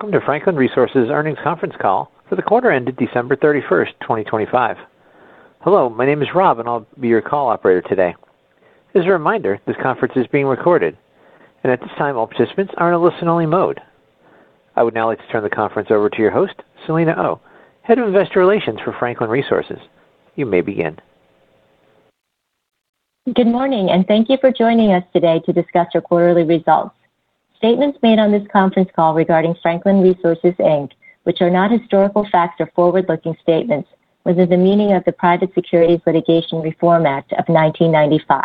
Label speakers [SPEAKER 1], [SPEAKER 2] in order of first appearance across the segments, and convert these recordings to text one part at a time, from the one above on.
[SPEAKER 1] Welcome to Franklin Resources earnings conference call for the quarter ended December 31st, 2025. Hello, my name is Rob, and I'll be your call operator today. As a reminder, this conference is being recorded, and at this time, all participants are in a listen-only mode. I would now like to turn the conference over to your host, Selene Oh, Head of Investor Relations for Franklin Resources. You may begin.
[SPEAKER 2] Good morning, and thank you for joining us today to discuss our quarterly results. Statements made on this conference call regarding Franklin Resources, Inc., which are not historical facts or forward-looking statements within the meaning of the Private Securities Litigation Reform Act of 1995.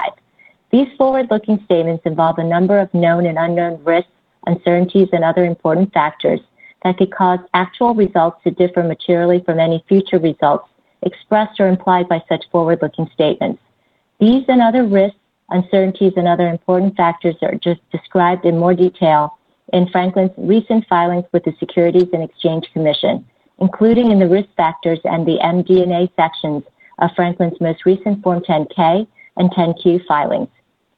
[SPEAKER 2] These forward-looking statements involve a number of known and unknown risks, uncertainties, and other important factors that could cause actual results to differ materially from any future results expressed or implied by such forward-looking statements. These and other risks, uncertainties, and other important factors are just described in more detail in Franklin's recent filings with the Securities and Exchange Commission, including in the Risk Factors and the MD&A sections of Franklin's most recent Form 10-K and 10-Q filings.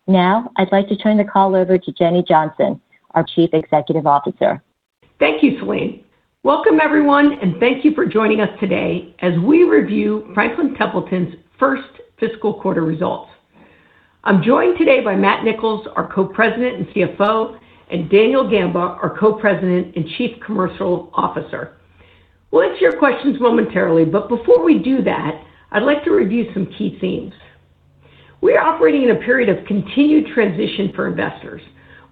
[SPEAKER 2] Now, I'd like to turn the call over to Jenny Johnson, our Chief Executive Officer.
[SPEAKER 3] Thank you, Selene. Welcome, everyone, and thank you for joining us today as we review Franklin Templeton's first fiscal quarter results. I'm joined today by Matthew Nicholls, our Co-President and CFO, and Daniel Gamba, our Co-President and Chief Commercial Officer. We'll answer your questions momentarily, but before we do that, I'd like to review some key themes. We are operating in a period of continued transition for investors,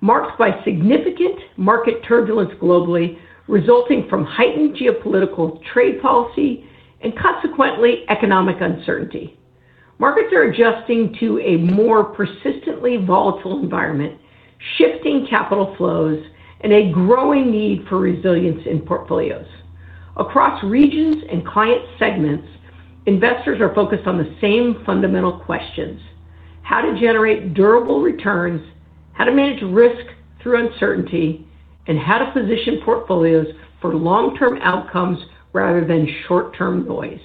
[SPEAKER 3] marked by significant market turbulence globally, resulting from heightened geopolitical trade policy and consequently, economic uncertainty. Markets are adjusting to a more persistently volatile environment, shifting capital flows and a growing need for resilience in portfolios. Across regions and client segments, investors are focused on the same fundamental questions: how to generate durable returns, how to manage risk through uncertainty, and how to position portfolios for long-term outcomes rather than short-term noise.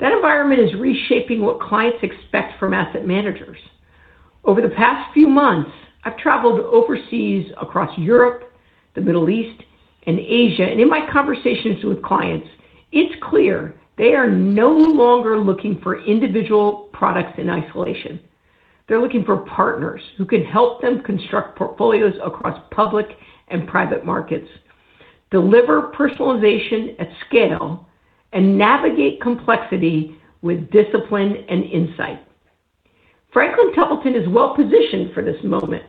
[SPEAKER 3] That environment is reshaping what clients expect from asset managers. Over the past few months, I've traveled overseas across Europe, the Middle East, and Asia, and in my conversations with clients, it's clear they are no longer looking for individual products in isolation. They're looking for partners who can help them construct portfolios across public and private markets, deliver personalization at scale, and navigate complexity with discipline and insight. Franklin Templeton is well-positioned for this moment.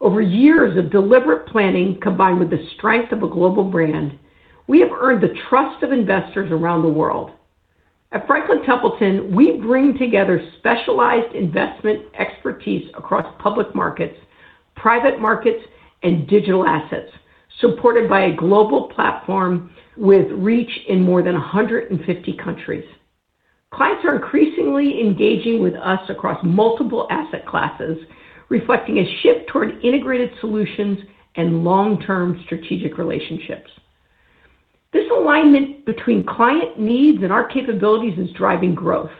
[SPEAKER 3] Over years of deliberate planning, combined with the strength of a global brand, we have earned the trust of investors around the world. At Franklin Templeton, we bring together specialized investment expertise across public markets, private markets, and digital assets, supported by a global platform with reach in more than 150 countries. Clients are increasingly engaging with us across multiple asset classes, reflecting a shift toward integrated solutions and long-term strategic relationships. This alignment between client needs and our capabilities is driving growth.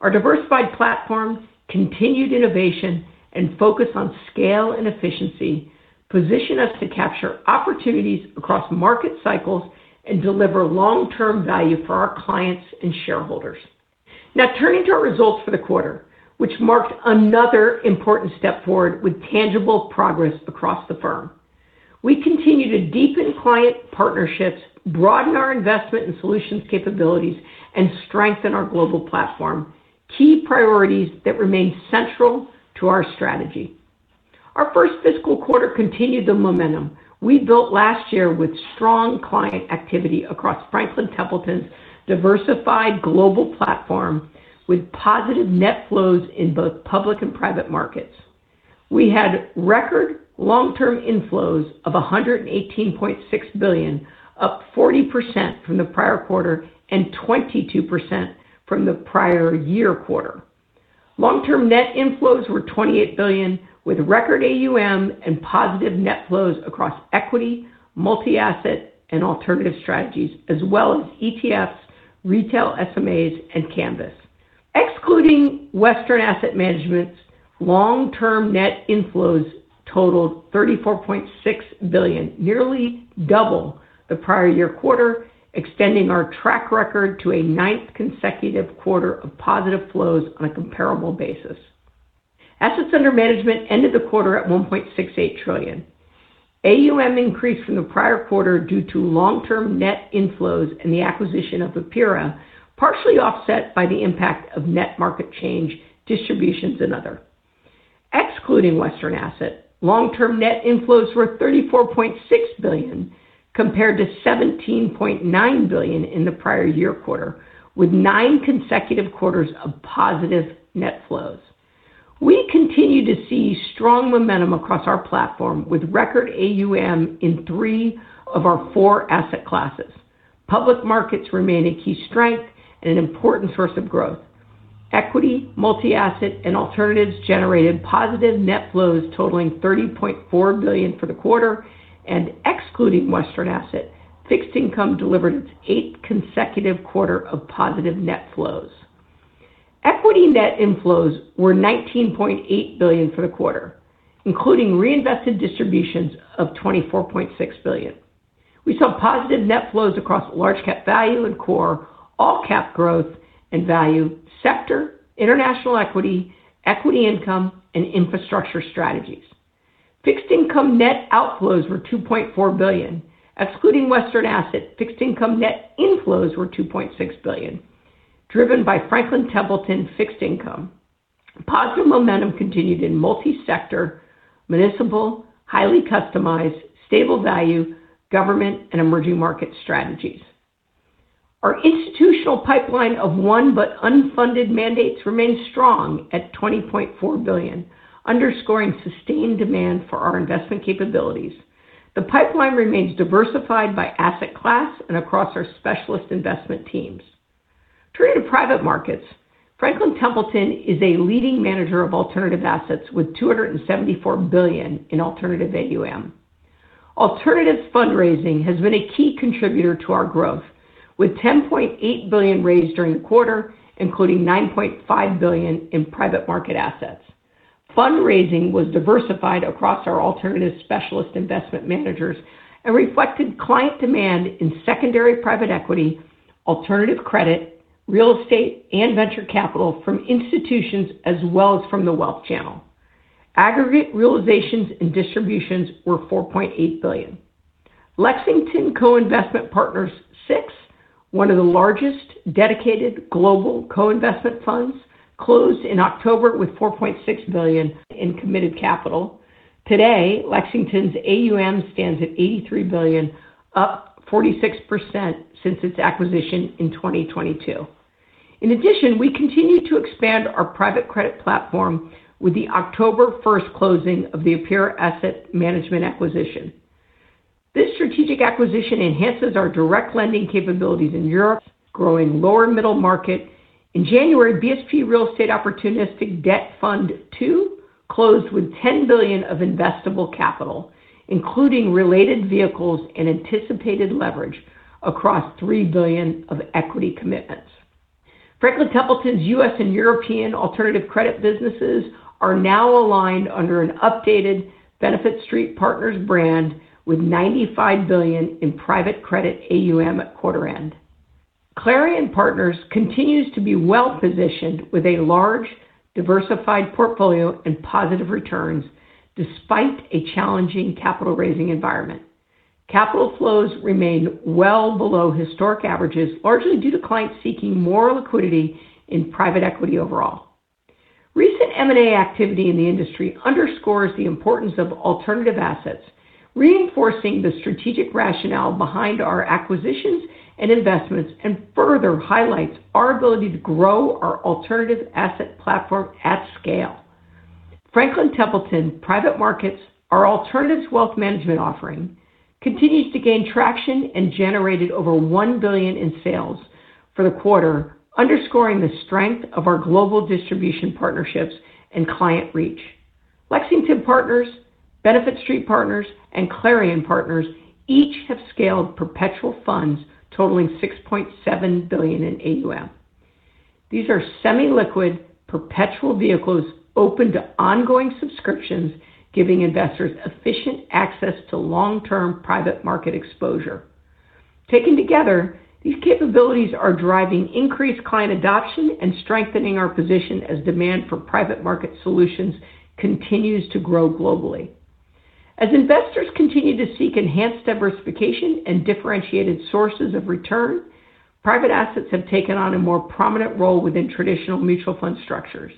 [SPEAKER 3] Our diversified platform, continued innovation, and focus on scale and efficiency position us to capture opportunities across market cycles and deliver long-term value for our clients and shareholders. Now, turning to our results for the quarter, which marked another important step forward with tangible progress across the firm. We continue to deepen client partnerships, broaden our investment and solutions capabilities, and strengthen our global platform, key priorities that remain central to our strategy. Our first fiscal quarter continued the momentum we built last year with strong client activity across Franklin Templeton's diversified global platform, with positive net flows in both public and private markets. We had record long-term inflows of $118.6 billion, up 40% from the prior quarter and 22% from the prior year quarter. Long-term net inflows were $28 billion, with record AUM and positive net flows across equity, multi-asset, and alternative strategies, as well as ETFs, retail SMAs, and Canvas. Excluding Western Asset Management's long-term net inflows totaled $34.6 billion, nearly double the prior year quarter, extending our track record to a ninth consecutive quarter of positive flows on a comparable basis. Assets under management ended the quarter at $1.68 trillion. AUM increased from the prior quarter due to long-term net inflows and the acquisition of Apera, partially offset by the impact of net market change, distributions, and other. Excluding Western Asset, long-term net inflows were $34.6 billion, compared to $17.9 billion in the prior year quarter, with nine consecutive quarters of positive net flows. We continue to see strong momentum across our platform, with record AUM in three of our four asset classes. Public markets remain a key strength and an important source of growth. Equity, multi-asset, and alternatives generated positive net flows totaling $30.4 billion for the quarter, and excluding Western Asset, Fixed Income delivered its eighth consecutive quarter of positive net flows. Equity net inflows were $19.8 billion for the quarter, including reinvested distributions of $24.6 billion. We saw positive net flows across large cap value and core, all cap growth and value sector, international equity, equity income, and infrastructure strategies. Fixed income net outflows were $2.4 billion, excluding Western Asset. Fixed income net inflows were $2.6 billion, driven by Franklin Templeton Fixed Income. Positive momentum continued in multi-sector, municipal, highly customized, stable value, government, and emerging market strategies. Our institutional pipeline of long, but unfunded mandates remains strong at $20.4 billion, underscoring sustained demand for our investment capabilities. The pipeline remains diversified by asset class and across our specialist investment teams. Turning to private markets, Franklin Templeton is a leading manager of alternative assets with $274 billion in alternative AUM. Alternatives fundraising has been a key contributor to our growth, with $10.8 billion raised during the quarter, including $9.5 billion in private market assets. Fundraising was diversified across our alternative specialist investment managers and reflected client demand in secondary private equity, alternative credit, real estate, and venture capital from institutions as well as from the wealth channel. Aggregate realizations and distributions were $4.8 billion. Lexington Co-Investment Partners VI, one of the largest dedicated global co-investment funds, closed in October with $4.6 billion in committed capital. Today, Lexington's AUM stands at $83 billion, up 46% since its acquisition in 2022. In addition, we continue to expand our private credit platform with the October first closing of the Apera Asset Management acquisition. This strategic acquisition enhances our direct lending capabilities in Europe, growing lower middle market. In January, BSP Real Estate Opportunistic Debt Fund II closed with $10 billion of investable capital, including related vehicles and anticipated leverage across $3 billion of equity commitments. Franklin Templeton's U.S. and European alternative credit businesses are now aligned under an updated Benefit Street Partners brand with $95 billion in private credit AUM at quarter end. Clarion Partners continues to be well-positioned with a large, diversified portfolio and positive returns, despite a challenging capital-raising environment. Capital flows remain well below historic averages, largely due to clients seeking more liquidity in private equity overall. Recent M&A activity in the industry underscores the importance of alternative assets, reinforcing the strategic rationale behind our acquisitions and investments, and further highlights our ability to grow our alternative asset platform at scale. Franklin Templeton Private Markets, our alternatives wealth management offering, continues to gain traction and generated over $1 billion in sales for the quarter, underscoring the strength of our global distribution partnerships and client reach. Lexington Partners, Benefit Street Partners, and Clarion Partners each have scaled perpetual funds totaling $6.7 billion in AUM. These are semi-liquid, perpetual vehicles open to ongoing subscriptions, giving investors efficient access to long-term private market exposure. Taken together, these capabilities are driving increased client adoption and strengthening our position as demand for private market solutions continues to grow globally. As investors continue to seek enhanced diversification and differentiated sources of return, private assets have taken on a more prominent role within traditional mutual fund structures.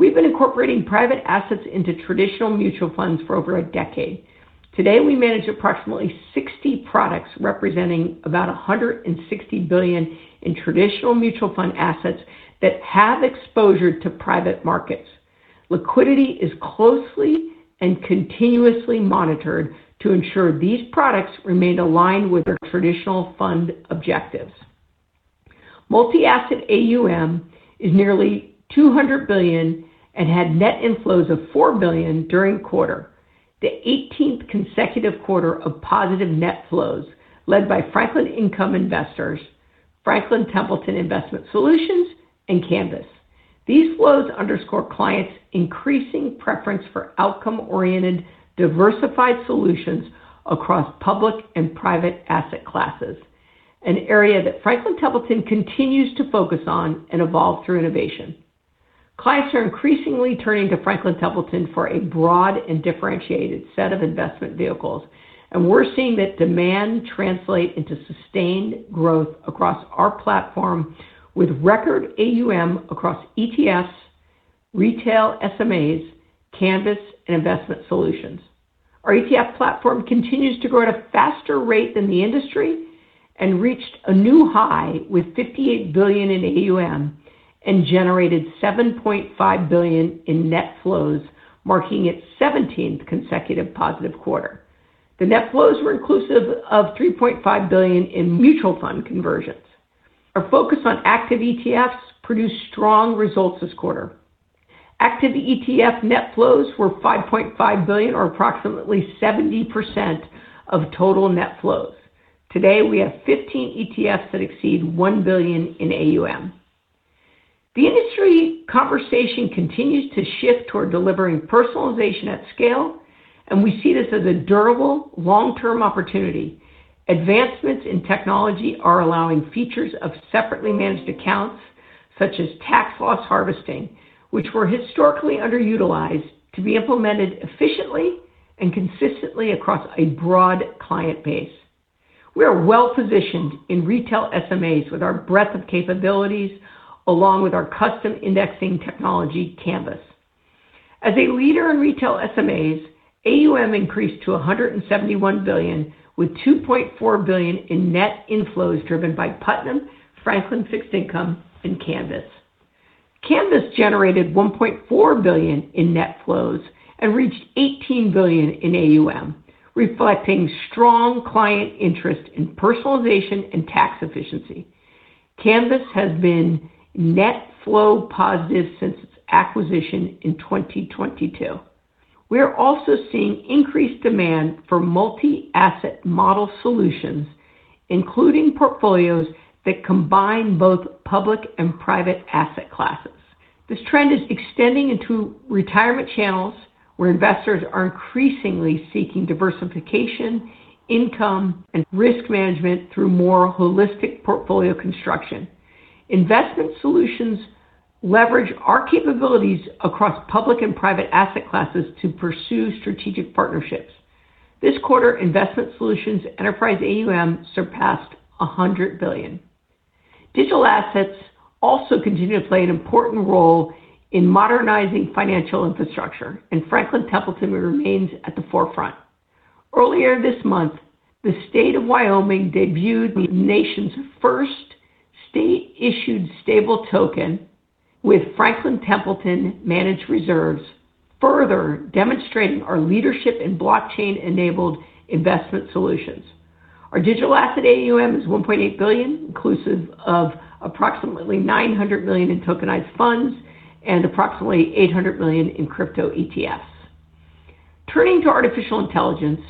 [SPEAKER 3] We've been incorporating private assets into traditional mutual funds for over a decade. Today, we manage approximately 60 products, representing about $160 billion in traditional mutual fund assets that have exposure to private markets. Liquidity is closely and continuously monitored to ensure these products remain aligned with their traditional fund objectives. Multi-asset AUM is nearly $200 billion and had net inflows of $4 billion during quarter, the 18th consecutive quarter of positive net flows led by Franklin Income Investors, Franklin Templeton Investment Solutions, and Canvas. These flows underscore clients' increasing preference for outcome-oriented, diversified solutions across public and private asset classes, an area that Franklin Templeton continues to focus on and evolve through innovation. Clients are increasingly turning to Franklin Templeton for a broad and differentiated set of investment vehicles, and we're seeing that demand translate into sustained growth across our platform with record AUM across ETFs, retail SMAs, Canvas, and investment solutions. Our ETF platform continues to grow at a faster rate than the industry, and reached a new high with $58 billion in AUM, and generated $7.5 billion in net flows, marking its 17th consecutive positive quarter. The net flows were inclusive of $3.5 billion in mutual fund conversions. Our focus on active ETFs produced strong results this quarter. Active ETF net flows were $5.5 billion, or approximately 70% of total net flows. Today, we have 15 ETFs that exceed $1 billion in AUM. The industry conversation continues to shift toward delivering personalization at scale, and we see this as a durable long-term opportunity. Advancements in technology are allowing features of separately managed accounts, such as tax loss harvesting, which were historically underutilized, to be implemented efficiently and consistently across a broad client base. We are well-positioned in retail SMAs with our breadth of capabilities, along with our custom indexing technology, Canvas. As a leader in retail SMAs, AUM increased to $171 billion, with $2.4 billion in net inflows driven by Putnam, Franklin Fixed Income, and Canvas. Canvas generated $1.4 billion in net flows and reached $18 billion in AUM, reflecting strong client interest in personalization and tax efficiency. Canvas has been net flow positive since its acquisition in 2022. We are also seeing increased demand for multi-asset model solutions, including portfolios that combine both public and private asset classes. This trend is extending into retirement channels, where investors are increasingly seeking diversification, income, and risk management through more holistic portfolio construction. Investment Solutions leverage our capabilities across public and private asset classes to pursue strategic partnerships. This quarter, Investment Solutions' enterprise AUM surpassed $100 billion. Digital assets also continue to play an important role in modernizing financial infrastructure, and Franklin Templeton remains at the forefront. Earlier this month, the state of Wyoming debuted the nation's first state-issued stable token with Franklin Templeton-managed reserves, further demonstrating our leadership in blockchain-enabled investment solutions. Our digital asset AUM is $1.8 billion, inclusive of approximately $900 million in tokenized funds and approximately $800 million in crypto ETFs. Turning to artificial intelligence,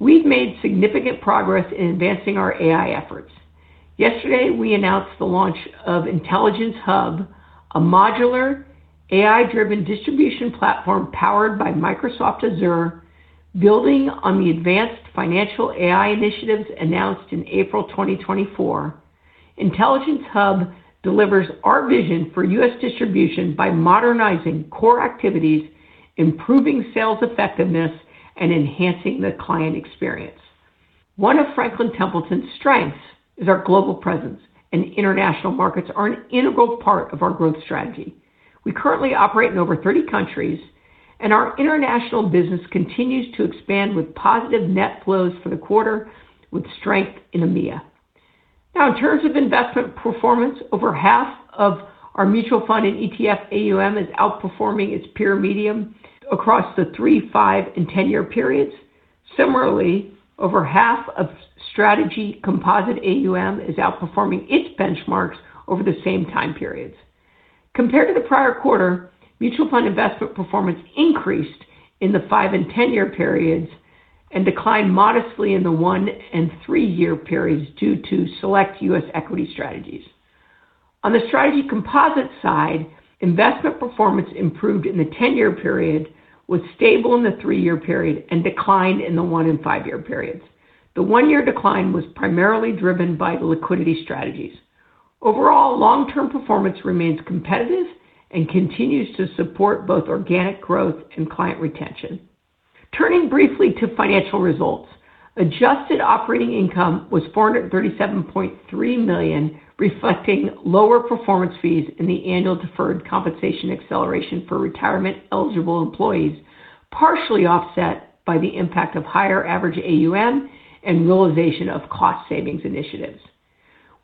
[SPEAKER 3] we've made significant progress in advancing our AI efforts. Yesterday, we announced the launch of Intelligence Hub, a modular AI-driven distribution platform powered by Microsoft Azure. Building on the advanced financial AI initiatives announced in April 2024, Intelligence Hub delivers our vision for U.S. distribution by modernizing core activities, improving sales effectiveness, and enhancing the client experience. One of Franklin Templeton's strengths is our global presence, and international markets are an integral part of our growth strategy. We currently operate in over 30 countries, and our international business continues to expand with positive net flows for the quarter, with strength in EMEA. Now, in terms of investment performance, over half of our mutual fund and ETF AUM is outperforming its peer median across the three, five, and 10-year periods. Similarly, over half of strategy composite AUM is outperforming its benchmarks over the same time periods. Compared to the prior quarter, mutual fund investment performance increased in the 5- and 10-year periods and declined modestly in the 1- and 3-year periods due to select U.S. equity strategies. On the strategy composite side, investment performance improved in the 10-year period, was stable in the 3-year period, and declined in the 1- and 5-year periods. The 1-year decline was primarily driven by the liquidity strategies. Overall, long-term performance remains competitive and continues to support both organic growth and client retention. Turning briefly to financial results, Adjusted Operating Income was $437.3 million, reflecting lower performance fees in the annual deferred compensation acceleration for retirement-eligible employees, partially offset by the impact of higher average AUM and realization of cost savings initiatives.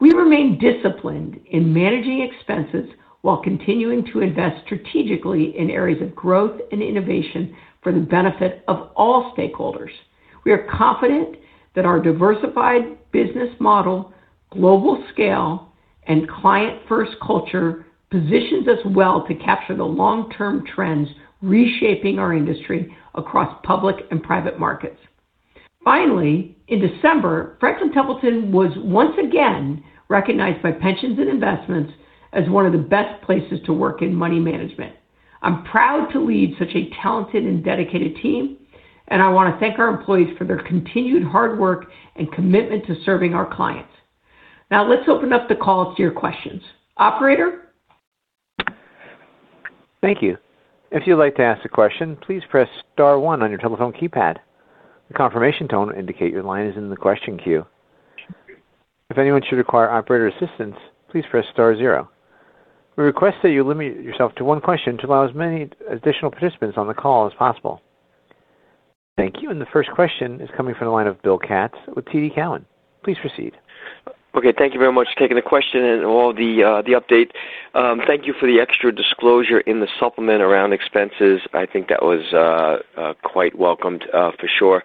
[SPEAKER 3] We remain disciplined in managing expenses while continuing to invest strategically in areas of growth and innovation for the benefit of all stakeholders. We are confident that our diversified business model, global scale, and client-first culture positions us well to capture the long-term trends, reshaping our industry across public and private markets. Finally, in December, Franklin Templeton was once again recognized by Pensions & Investments as one of the best places to work in money management. I'm proud to lead such a talented and dedicated team, and I want to thank our employees for their continued hard work and commitment to serving our clients. Now, let's open up the call to your questions. Operator?
[SPEAKER 1] Thank you. If you'd like to ask a question, please press star one on your telephone keypad. The confirmation tone will indicate your line is in the question queue. If anyone should require operator assistance, please press star zero. We request that you limit yourself to one question to allow as many additional participants on the call as possible. Thank you. And the first question is coming from the line of Bill Katz with TD Cowen. Please proceed.
[SPEAKER 4] Okay, thank you very much for taking the question and all the, the update. Thank you for the extra disclosure in the supplement around expenses. I think that was, quite welcomed, for sure.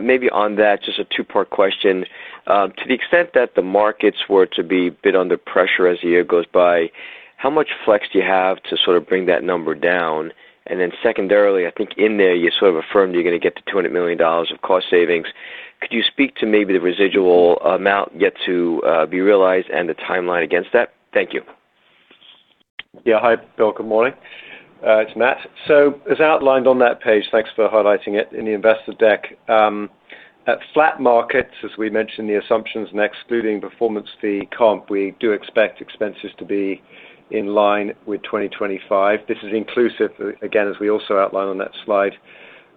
[SPEAKER 4] Maybe on that, just a two-part question. To the extent that the markets were to be bit under pressure as the year goes by... How much flex do you have to sort of bring that number down? And then secondarily, I think in there, you sort of affirmed you're going to get to $200 million of cost savings. Could you speak to maybe the residual amount yet to, be realized and the timeline against that? Thank you.
[SPEAKER 5] Yeah. Hi, Bill. Good morning. It's Matt. So as outlined on that page, thanks for highlighting it, in the investor deck. At flat markets, as we mentioned, the assumptions and excluding performance fee comp, we do expect expenses to be in line with 2025. This is inclusive, again, as we also outlined on that slide,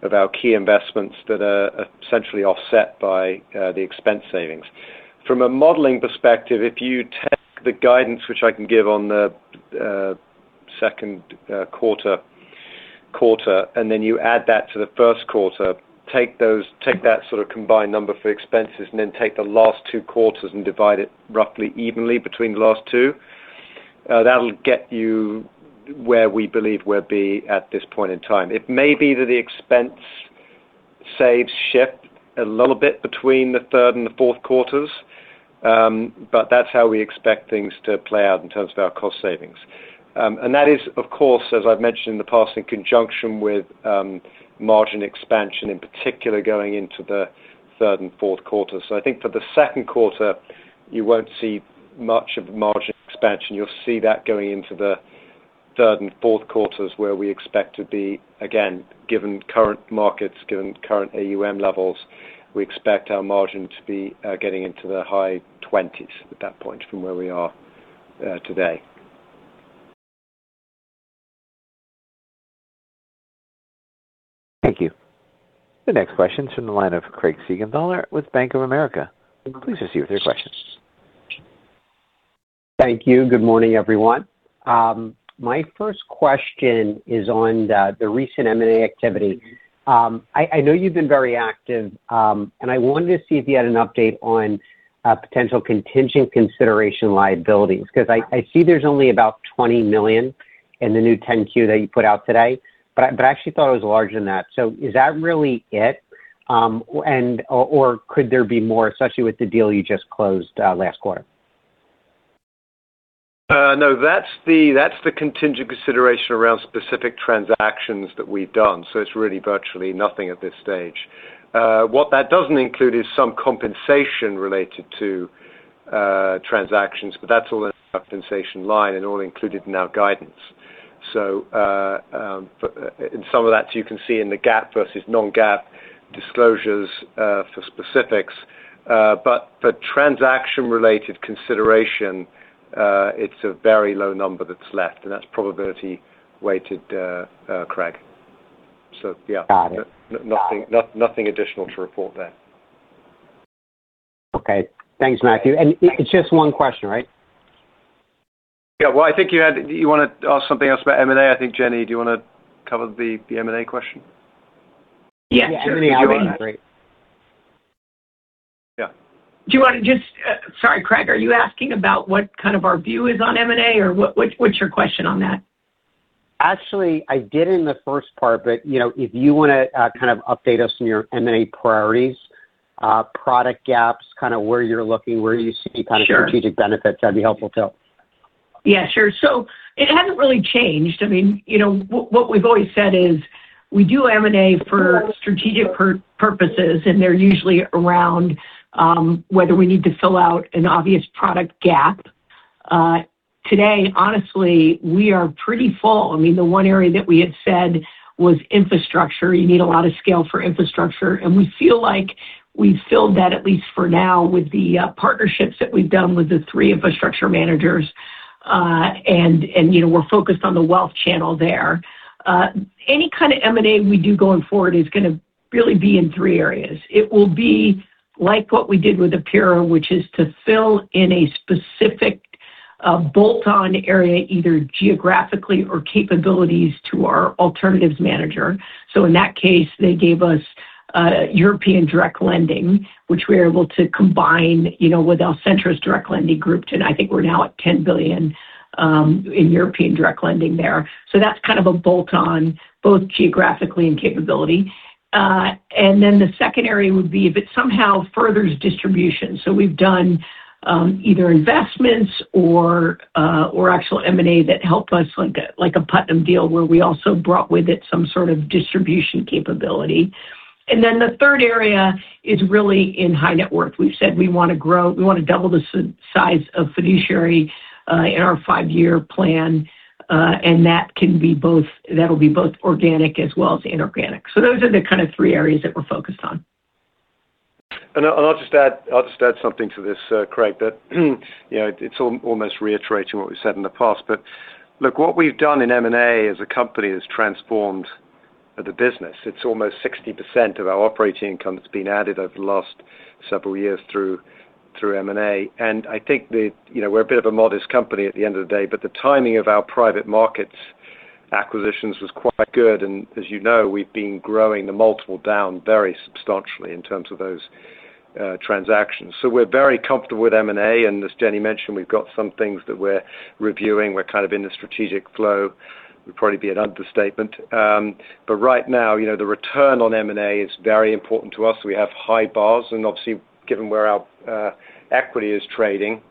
[SPEAKER 5] of our key investments that are essentially offset by the expense savings. From a modeling perspective, if you take the guidance which I can give on the second quarter, and then you add that to the first quarter, take that sort of combined number for expenses, and then take the last two quarters and divide it roughly evenly between the last two, that'll get you where we believe we'll be at this point in time. It may be that the expense savings shift a little bit between the third and the fourth quarters, but that's how we expect things to play out in terms of our cost savings. And that is, of course, as I've mentioned in the past, in conjunction with, margin expansion, in particular, going into the third and fourth quarters. So I think for the second quarter, you won't see much of the margin expansion. You'll see that going into the third and fourth quarters, where we expect to be, again, given current markets, given current AUM levels, we expect our margin to be, getting into the high twenties at that point from where we are, today.
[SPEAKER 1] Thank you. The next question is from the line of Craig Siegenthaler with Bank of America. Please proceed with your question.
[SPEAKER 6] Thank you. Good morning, everyone. My first question is on the recent M&A activity. I know you've been very active, and I wanted to see if you had an update on potential contingent consideration liabilities, because I see there's only about $20 million in the new 10-Q that you put out today, but I actually thought it was larger than that. So is that really it? Or could there be more, especially with the deal you just closed last quarter?
[SPEAKER 5] No, that's the, that's the contingent consideration around specific transactions that we've done, so it's really virtually nothing at this stage. What that doesn't include is some compensation related to, transactions, but that's all in our compensation line and all included in our guidance. So, but and some of that you can see in the GAAP versus non-GAAP disclosures, for specifics. But for transaction-related consideration, it's a very low number that's left, and that's probability weighted, Craig. So, yeah.
[SPEAKER 6] Got it.
[SPEAKER 5] Nothing, nothing additional to report there.
[SPEAKER 6] Okay. Thanks, Matthew. And it, it's just one question, right?
[SPEAKER 5] Yeah. Well, I think you had... You want to ask something else about M&A? I think, Jenny, do you want to cover the, the M&A question?
[SPEAKER 6] Yeah. M&A would be great.
[SPEAKER 5] Yeah.
[SPEAKER 3] Do you want to just, sorry, Craig, are you asking about what kind of our view is on M&A, or what, what's your question on that?
[SPEAKER 6] Actually, I did in the first part, but, you know, if you want to kind of update us on your M&A priorities, product gaps, kind of where you're looking, where you see-
[SPEAKER 3] Sure.
[SPEAKER 6] kind of strategic benefits, that'd be helpful, too.
[SPEAKER 3] Yeah, sure. So it hasn't really changed. I mean, you know, what we've always said is we do M&A for strategic purposes, and they're usually around whether we need to fill out an obvious product gap. Today, honestly, we are pretty full. I mean, the one area that we had said was infrastructure. You need a lot of scale for infrastructure, and we feel like we've filled that, at least for now, with the partnerships that we've done with the three infrastructure managers. And, you know, we're focused on the wealth channel there. Any kind of M&A we do going forward is going to really be in three areas. It will be like what we did with Apera, which is to fill in a specific bolt-on area, either geographically or capabilities to our alternatives manager. So in that case, they gave us European direct lending, which we were able to combine, you know, with our Alcentra Direct Lending Group, and I think we're now at $10 billion in European direct lending there. So that's kind of a bolt-on, both geographically and capability. And then the second area would be if it somehow furthers distribution. So we've done either investments or actual M&A that help us, like a Putnam deal, where we also brought with it some sort of distribution capability. And then the third area is really in high net worth. We've said we want to grow, we want to double the size of Fiduciary in our five-year plan, and that can be both, that'll be both organic as well as inorganic. So those are the kind of three areas that we're focused on.
[SPEAKER 5] And I'll just add, I'll just add something to this, Craig, that, you know, it's almost reiterating what we've said in the past. But look, what we've done in M&A as a company has transformed the business. It's almost 60% of our operating income that's been added over the last several years through M&A. And I think the, you know, we're a bit of a modest company at the end of the day, but the timing of our private markets acquisitions was quite good, and as you know, we've been growing the multiple down very substantially in terms of those transactions. So we're very comfortable with M&A, and as Jenny mentioned, we've got some things that we're reviewing. We're kind of in the strategic flow... would probably be an understatement. But right now, you know, the return on M&A is very important to us. We have high bars, and obviously, given where our equity is trading,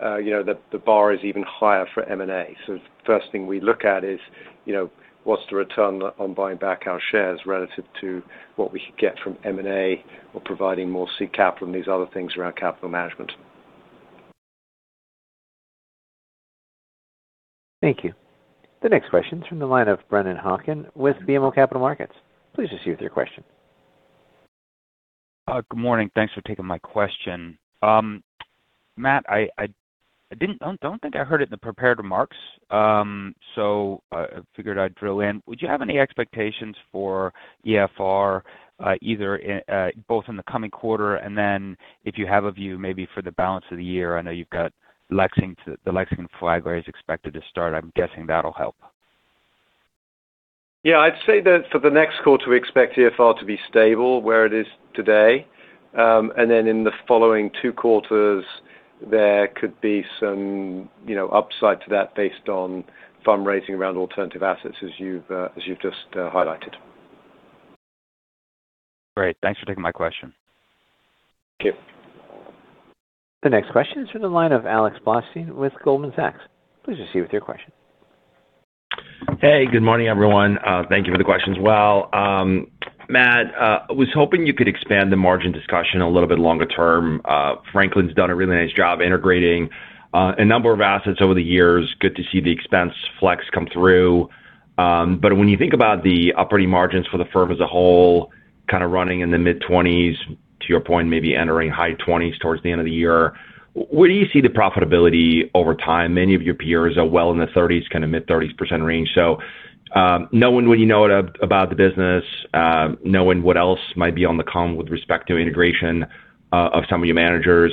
[SPEAKER 5] you know, the bar is even higher for M&A. So the first thing we look at is, you know, what's the return on buying back our shares relative to what we could get from M&A or providing more seed capital and these other things around capital management?
[SPEAKER 1] Thank you. The next question is from the line of Brennan Hawken with BMO Capital Markets. Please proceed with your question.
[SPEAKER 7] Good morning. Thanks for taking my question. Matt, I don't think I heard it in the prepared remarks, so I figured I'd drill in. Would you have any expectations for EFR either in both in the coming quarter, and then if you have a view, maybe for the balance of the year? I know you've got Lexington, the Lexington flagship is expected to start. I'm guessing that'll help.
[SPEAKER 5] Yeah, I'd say that for the next quarter, we expect EFR to be stable where it is today. And then in the following two quarters, there could be some, you know, upside to that based on fundraising around alternative assets, as you've just highlighted.
[SPEAKER 7] Great. Thanks for taking my question.
[SPEAKER 1] Thank you. The next question is from the line of Alex Blostein with Goldman Sachs. Please proceed with your question.
[SPEAKER 8] Hey, good morning, everyone. Thank you for the questions as well. Matt, I was hoping you could expand the margin discussion a little bit longer term. Franklin's done a really nice job integrating a number of assets over the years. Good to see the expense flex come through. But when you think about the operating margins for the firm as a whole, kind of running in the mid-20s, to your point, maybe entering high 20s towards the end of the year, where do you see the profitability over time? Many of your peers are well in the 30s, kind of mid-30s% range. So, knowing what you know about the business, knowing what else might be on the come with respect to integration of some of your managers,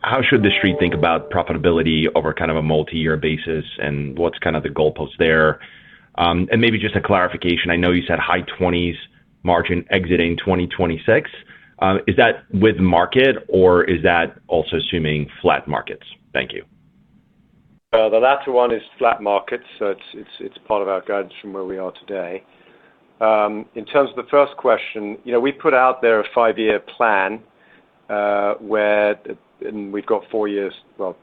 [SPEAKER 8] how should the street think about profitability over kind of a multi-year basis, and what's kind of the goalpost there? And maybe just a clarification. I know you said high-20s margin exiting 2026. Is that with market or is that also assuming flat markets? Thank you.
[SPEAKER 5] The latter one is flat markets, so it's, it's, it's part of our guidance from where we are today. In terms of the first question, you know, we put out there a 5-year plan, where... We've got 4 years, well,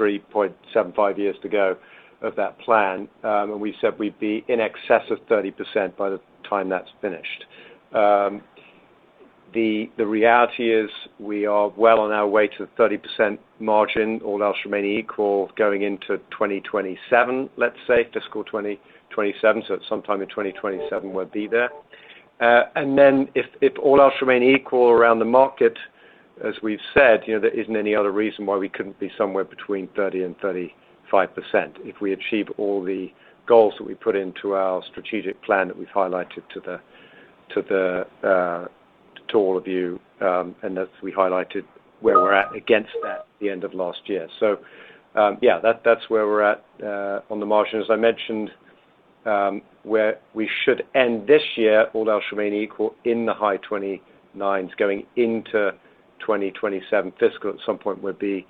[SPEAKER 5] 3.75 years to go of that plan. And we said we'd be in excess of 30% by the time that's finished. The, the reality is, we are well on our way to the 30% margin, all else remaining equal, going into 2027, let's say, fiscal 2027. So at some time in 2027, we'll be there. And then if all else remains equal around the market, as we've said, you know, there isn't any other reason why we couldn't be somewhere between 30%-35% if we achieve all the goals that we put into our strategic plan that we've highlighted to the to all of you, and as we highlighted where we're at against that at the end of last year. So, yeah, that's where we're at on the margin. As I mentioned, where we should end this year, all else remaining equal, in the high 20s, going into 2027 fiscal, at some point we'll be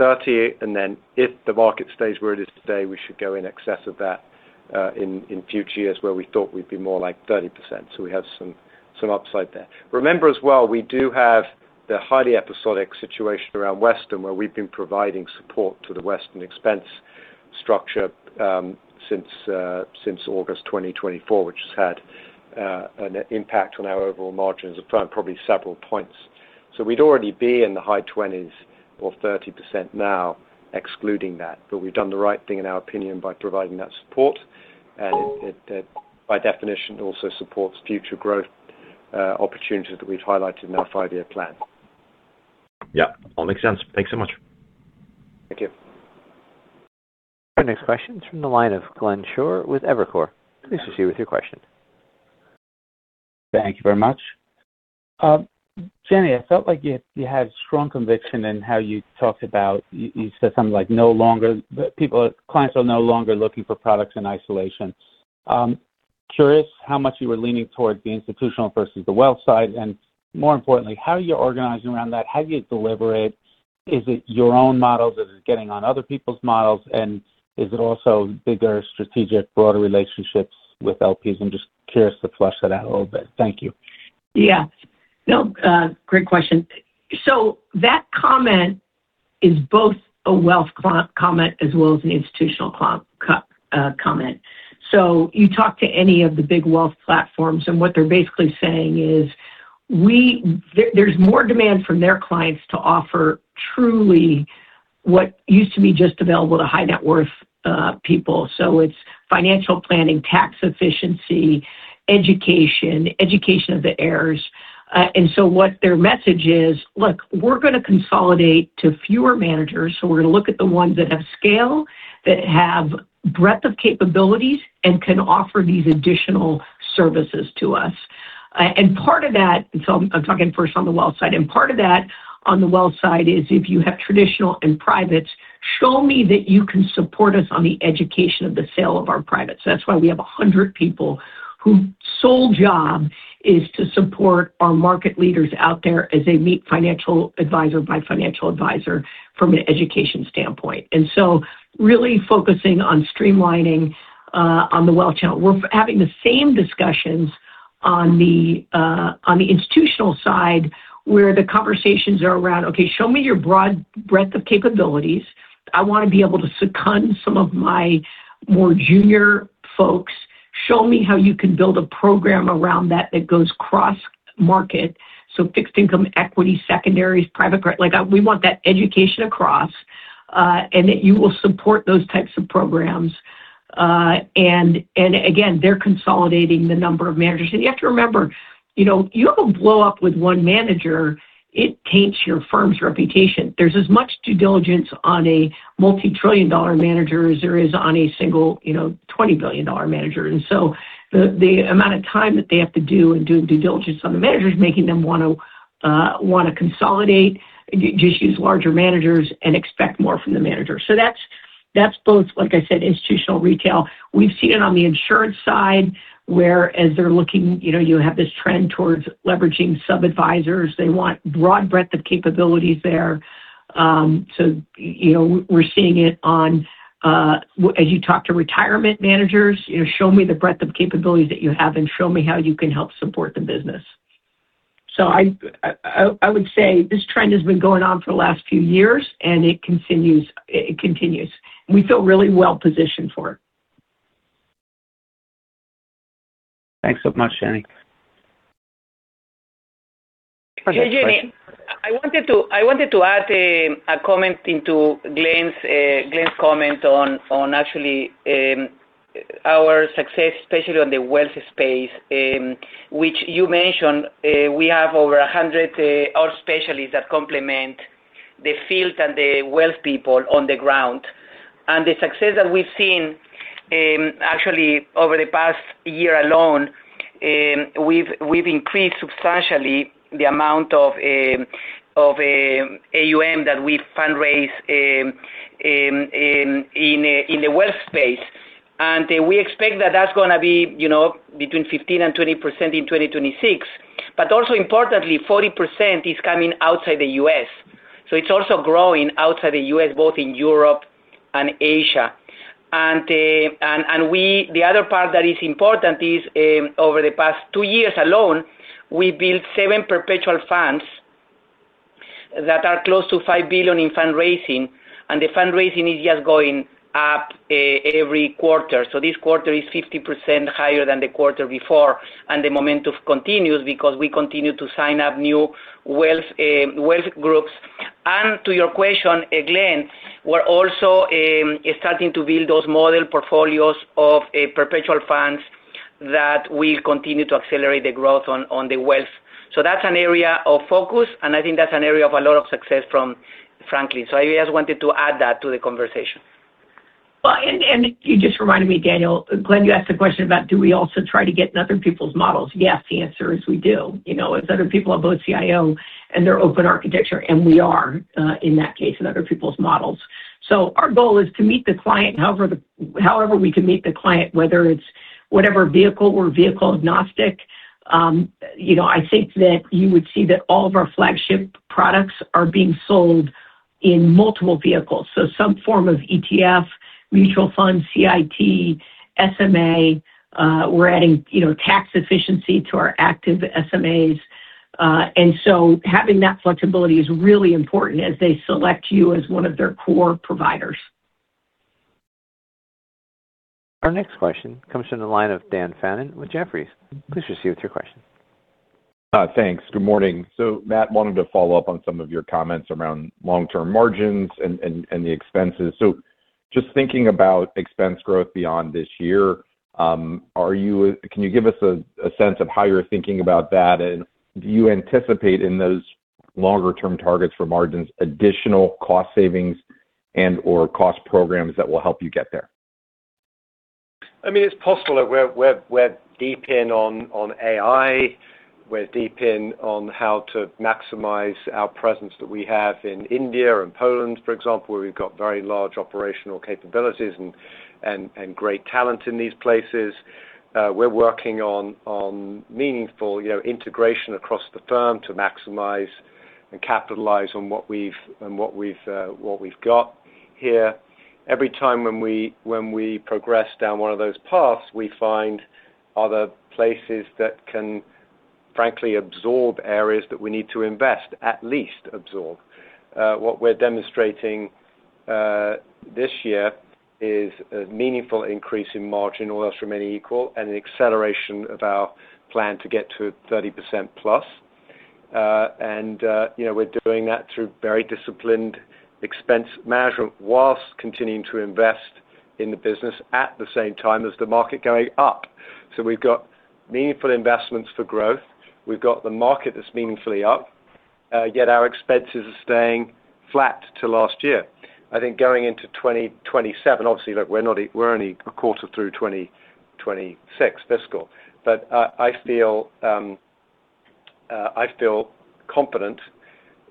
[SPEAKER 5] 30%. And then if the market stays where it is today, we should go in excess of that in future years, where we thought we'd be more like 30%. So we have some upside there. Remember as well, we do have the highly episodic situation around Western, where we've been providing support to the Western expense structure, since August 2024, which has had an impact on our overall margins of probably several points. So we'd already be in the high 20s or 30% now, excluding that, but we've done the right thing, in our opinion, by providing that support. And it, by definition, also supports future growth opportunities that we've highlighted in our five-year plan.
[SPEAKER 8] Yeah, all makes sense. Thanks so much.
[SPEAKER 5] Thank you.
[SPEAKER 1] Our next question is from the line of Glenn Schorr with Evercore. Please proceed with your question.
[SPEAKER 9] Thank you very much. Jenny, I felt like you had strong conviction in how you talked about... you said something like, "No longer, people, clients are no longer looking for products in isolation." Curious how much you were leaning towards the institutional versus the wealth side, and more importantly, how are you organizing around that? How do you deliver it? Is it your own models, is it getting on other people's models? And is it also bigger strategic, broader relationships with LPs? I'm just curious to flesh that out a little bit. Thank you.
[SPEAKER 3] Yeah. No, great question. So that comment is both a wealth client comment as well as an institutional client comment. So you talk to any of the big wealth platforms, and what they're basically saying is, there's more demand from their clients to offer truly what used to be just available to high net worth people. So it's financial planning, tax efficiency, education of the heirs. And so what their message is: "Look, we're gonna consolidate to fewer managers, so we're gonna look at the ones that have scale, that have breadth of capabilities, and can offer these additional services to us." And part of that, so I'm talking first on the wealth side, and part of that on the wealth side is if you have traditional and privates, show me that you can support us on the education of the sale of our privates. That's why we have 100 people whose sole job is to support our market leaders out there as they meet financial advisor by financial advisor from an education standpoint. And so really focusing on streamlining on the wealth channel. We're having the same discussions on the institutional side, where the conversations are around, "Okay, show me your broad breadth of capabilities. I wanna be able to second some of my more junior folks. Show me how you can build a program around that, that goes cross-market. So fixed income, equity, secondaries, private credit. Like, we want that education across, and that you will support those types of programs." And again, they're consolidating the number of managers. And you have to remember, you know, you don't blow up with one manager, it taints your firm's reputation. There's as much due diligence on a multi-trillion-dollar manager as there is on a single, you know, $20 billion manager. And so the amount of time that they have to do in doing due diligence on the manager is making them want to wanna consolidate, just use larger managers and expect more from the manager. So that's both, like I said, institutional retail. We've seen it on the insurance side, whereas they're looking... You know, you have this trend towards leveraging sub-advisers. They want broad breadth of capabilities there. So, you know, we're seeing it on, as you talk to retirement managers, "Show me the breadth of capabilities that you have and show me how you can help support the business." So I would say this trend has been going on for the last few years, and it continues, it continues. We feel really well positioned for it.
[SPEAKER 9] Thanks so much, Jenny.
[SPEAKER 10] Hey, Jenny, I wanted to add a comment into Glenn's comment on actually our success, especially on the wealth space, which you mentioned, we have over 100 alt specialists that complement the field and the wealth people on the ground. And the success that we've seen, actually, over the past year alone, we've increased substantially the amount of AUM that we fundraise in the wealth space. And we expect that that's gonna be, you know, between 15% and 20% in 2026. But also importantly, 40% is coming outside the U.S. So it's also growing outside the U.S., both in Europe and Asia. The other part that is important is, over the past 2 years alone, we built 7 perpetual funds that are close to $5 billion in fundraising, and the fundraising is just going up every quarter. So this quarter is 50% higher than the quarter before, and the momentum continues because we continue to sign up new wealth groups. And to your question, Glenn, we're also starting to build those model portfolios of a perpetual funds that will continue to accelerate the growth on the wealth. So that's an area of focus, and I think that's an area of a lot of success from Franklin. So I just wanted to add that to the conversation.
[SPEAKER 3] Well, and you just reminded me, Daniel. Glenn, you asked a question about, do we also try to get in other people's models? Yes, the answer is we do. You know, if other people have both CIO and they're open architecture, and we are, in that case, in other people's models. So our goal is to meet the client, however, however we can meet the client, whether it's whatever vehicle, we're vehicle agnostic. You know, I think that you would see that all of our flagship products are being sold in multiple vehicles. So some form of ETF, mutual funds, CIT, SMA, we're adding, you know, tax efficiency to our active SMAs. And so having that flexibility is really important as they select you as one of their core providers.
[SPEAKER 1] Our next question comes from the line of Dan Fannon with Jefferies. Please proceed with your question.
[SPEAKER 11] Thanks. Good morning. So Matt, wanted to follow up on some of your comments around long-term margins and the expenses. So just thinking about expense growth beyond this year, are you—can you give us a sense of how you're thinking about that? And do you anticipate in those longer-term targets for margins, additional cost savings and/or cost programs that will help you get there?
[SPEAKER 5] I mean, it's possible. We're deep in on AI. We're deep in on how to maximize our presence that we have in India and Poland, for example, where we've got very large operational capabilities and great talent in these places. We're working on meaningful, you know, integration across the firm to maximize and capitalize on what we've got here. Every time we progress down one of those paths, we find other places that can, frankly, absorb areas that we need to invest, at least absorb. What we're demonstrating this year is a meaningful increase in margin, all else remaining equal, and an acceleration of our plan to get to 30%+. And, you know, we're doing that through very disciplined expense management while continuing to invest in the business at the same time as the market going up. So we've got meaningful investments for growth, we've got the market that's meaningfully up, yet our expenses are staying flat to last year. I think going into 2027, obviously, look, we're not, we're only a quarter through 2026 fiscal, but, I feel confident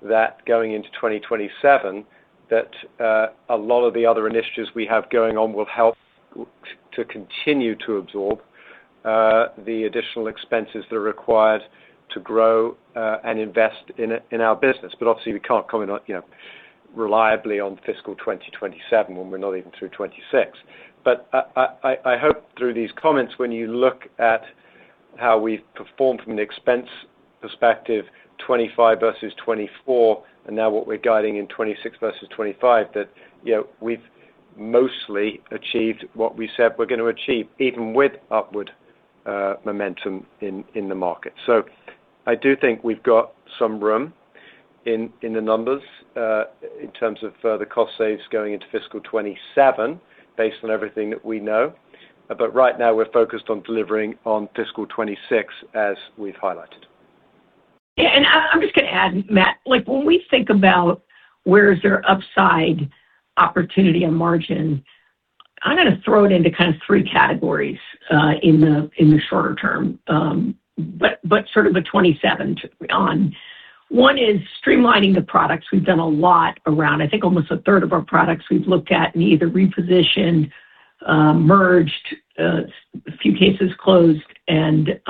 [SPEAKER 5] that going into 2027, that, a lot of the other initiatives we have going on will help to continue to absorb, the additional expenses that are required to grow, and invest in, in our business. But obviously, we can't comment on, you know, reliably on fiscal 2027 when we're not even through 2026. But I hope through these comments, when you look at how we've performed from an expense perspective, 2025 versus 2024, and now what we're guiding in 2026 versus 2025, that, you know, we've mostly achieved what we said we're going to achieve, even with upward momentum in the market. So I do think we've got some room in the numbers, in terms of further cost saves going into fiscal 2027, based on everything that we know. But right now, we're focused on delivering on fiscal 2026, as we've highlighted.
[SPEAKER 3] Yeah, and I'm just going to add, Matt, like, when we think about where is there upside opportunity and margin, I'm gonna throw it into kind of 3 categories, in the shorter term, but sort of a 2027 on. One is streamlining the products. We've done a lot around. I think almost a third of our products we've looked at and either repositioned, merged, a few cases closed, and,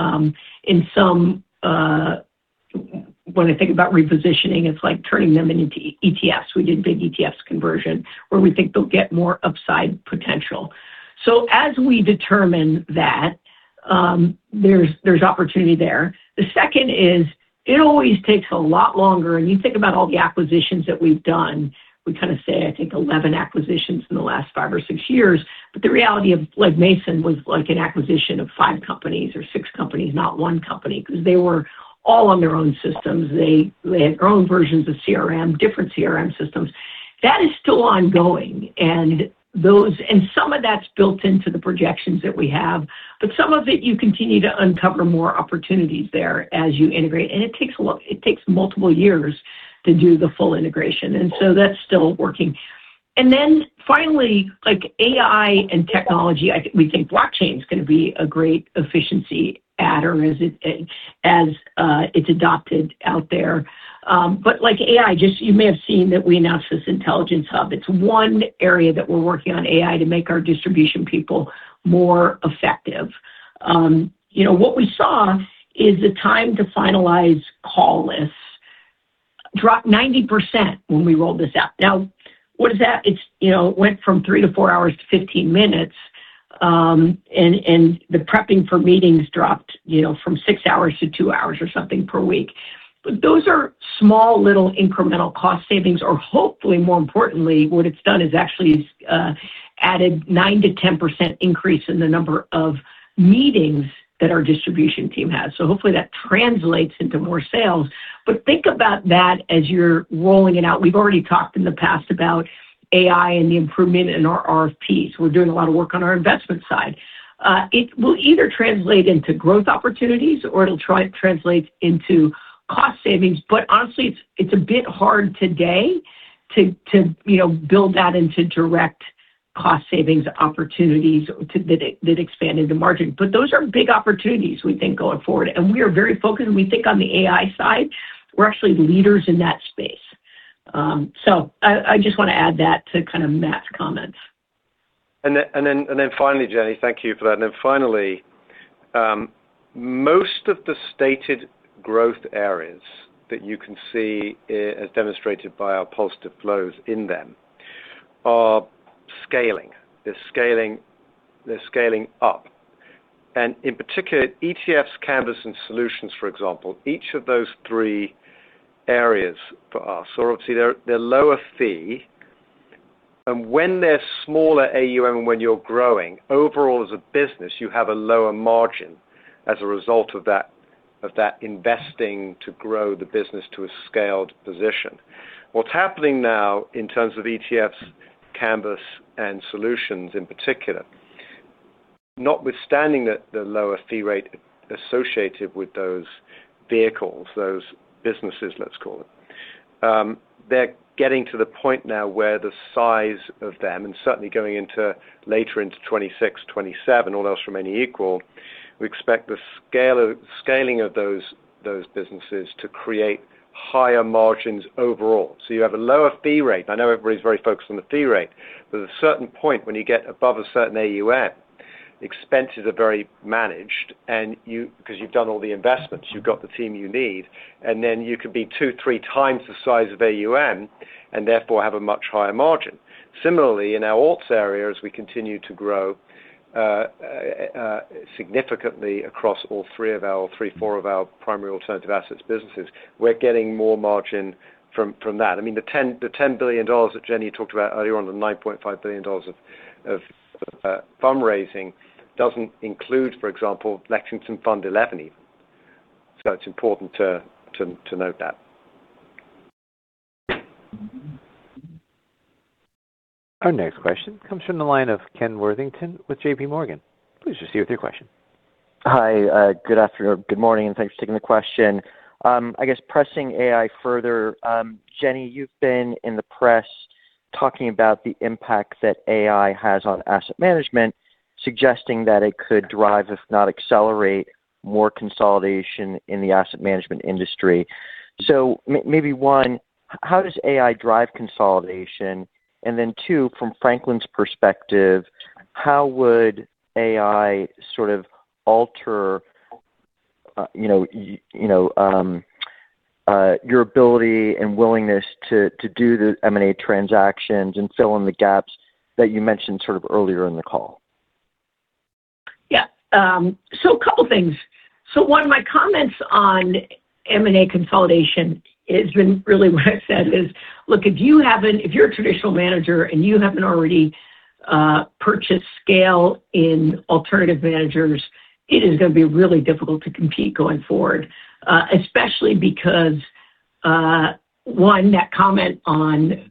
[SPEAKER 3] in some, when I think about repositioning, it's like turning them into ETFs. We did big ETF conversion, where we think they'll get more upside potential. So as we determine that, there's opportunity there. The second is, it always takes a lot longer, and you think about all the acquisitions that we've done. We kind of say, I think 11 acquisitions in the last 5 or 6 years, but the reality of, like, Mason was like an acquisition of 5 companies or 6 companies, not one company, because they were all on their own systems. They had their own versions of CRM, different CRM systems. That is still ongoing, and those, and some of that's built into the projections that we have, but some of it, you continue to uncover more opportunities there as you integrate, and it takes a lot, it takes multiple years to do the full integration, and so that's still working. And then finally, like AI and technology, I think we think blockchain is gonna be a great efficiency adder as it, as, it's adopted out there. But like AI, just you may have seen that we announced this Intelligence Hub. It's one area that we're working on AI to make our distribution people more effective. You know, what we saw is the time to finalize call lists dropped 90% when we rolled this out. Now, what is that? It's, you know, it went from 3-4 hours to 15 minutes, and the prepping for meetings dropped, you know, from 6 hours to 2 hours or something per week. But those are small, little incremental cost savings, or hopefully, more importantly, what it's done is actually added 9%-10% increase in the number of meetings that our distribution team has. So hopefully, that translates into more sales. But think about that as you're rolling it out. We've already talked in the past about AI and the improvement in our RFPs. We're doing a lot of work on our investment side. It will either translate into growth opportunities or it'll try translate into cost savings. But honestly, it's a bit hard today to you know build that into direct cost savings opportunities that expand into margin. But those are big opportunities, we think, going forward, and we are very focused. We think on the AI side, we're actually leaders in that space. So I just want to add that to kind of Matt's comments.
[SPEAKER 5] Finally, Jenny, thank you for that. Finally, most of the stated growth areas that you can see, as demonstrated by our positive flows in them, are scaling. They're scaling, they're scaling up. And in particular, ETFs, Canvas, and Solutions, for example, each of those three areas for us are obviously they're lower fee, and when they're smaller AUM, when you're growing, overall as a business, you have a lower margin as a result of that, of that investing to grow the business to a scaled position. What's happening now in terms of ETFs, Canvas, and Solutions in particular, notwithstanding the lower fee rate associated with those vehicles, those businesses, let's call them, they're getting to the point now where the size of them, and certainly going into later into 2026, 2027, all else remaining equal, we expect the scaling of those businesses to create higher margins overall. So you have a lower fee rate. I know everybody's very focused on the fee rate, but at a certain point, when you get above a certain AUM, expenses are very managed, and you, because you've done all the investments, you've got the team you need, and then you could be two, three times the size of AUM, and therefore have a much higher margin. Similarly, in our alts area, as we continue to grow significantly across all three of our... Three, four of our primary alternative assets businesses, we're getting more margin from, from that. I mean, the $10 billion that Jenny talked about earlier on, the $9.5 billion of, of, fundraising, doesn't include, for example, Lexington Fund XI. So it's important to, to, to note that.
[SPEAKER 1] Our next question comes from the line of Ken Worthington with J.P. Morgan. Please proceed with your question.
[SPEAKER 12] Hi, good afternoon, good morning, and thanks for taking the question. I guess pressing AI further, Jenny, you've been in the press talking about the impact that AI has on asset management, suggesting that it could drive, if not accelerate, more consolidation in the asset management industry. So maybe, one, how does AI drive consolidation? And then, two, from Franklin's perspective, how would AI sort of alter, you know, you know, your ability and willingness to do the M&A transactions and fill in the gaps that you mentioned sort of earlier in the call?
[SPEAKER 3] Yeah, so a couple things. So one, my comments on M&A consolidation has been really what I've said is, "Look, if you're a traditional manager and you haven't already purchased scale in alternative managers, it is gonna be really difficult to compete going forward." Especially because, one, that comment on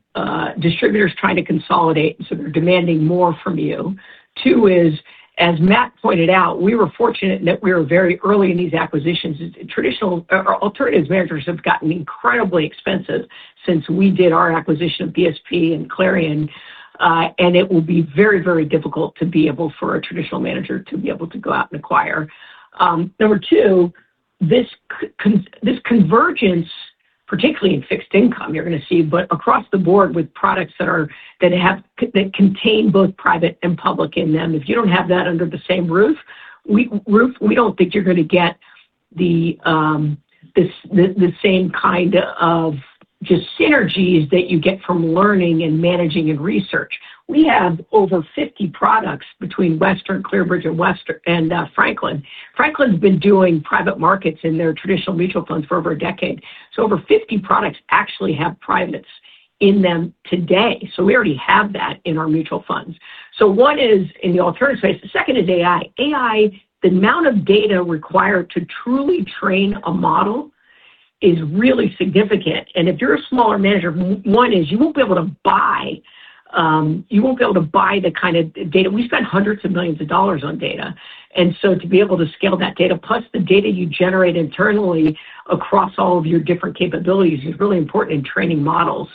[SPEAKER 3] distributors trying to consolidate, so they're demanding more from you. Two is, as Matt pointed out, we were fortunate in that we were very early in these acquisitions. Traditional alternatives managers have gotten incredibly expensive since we did our acquisition of BSP and Clarion, and it will be very, very difficult to be able for a traditional manager to be able to go out and acquire. Number two, this c- con... This convergence, particularly in fixed income, you're gonna see, but across the board with products that contain both private and public in them, if you don't have that under the same roof, we don't think you're gonna get the same kind of just synergies that you get from learning and managing and research. We have over 50 products between Western, ClearBridge, and Western and Franklin. Franklin's been doing private markets in their traditional mutual funds for over a decade, so over 50 products actually have privates in them today. So we already have that in our mutual funds. So one is in the alternative space. The second is AI. AI, the amount of data required to truly train a model is really significant, and if you're a smaller manager, you won't be able to buy, you won't be able to buy the kind of data. We spend $hundreds of millions on data, and so to be able to scale that data, plus the data you generate internally across all of your different capabilities, is really important in training models.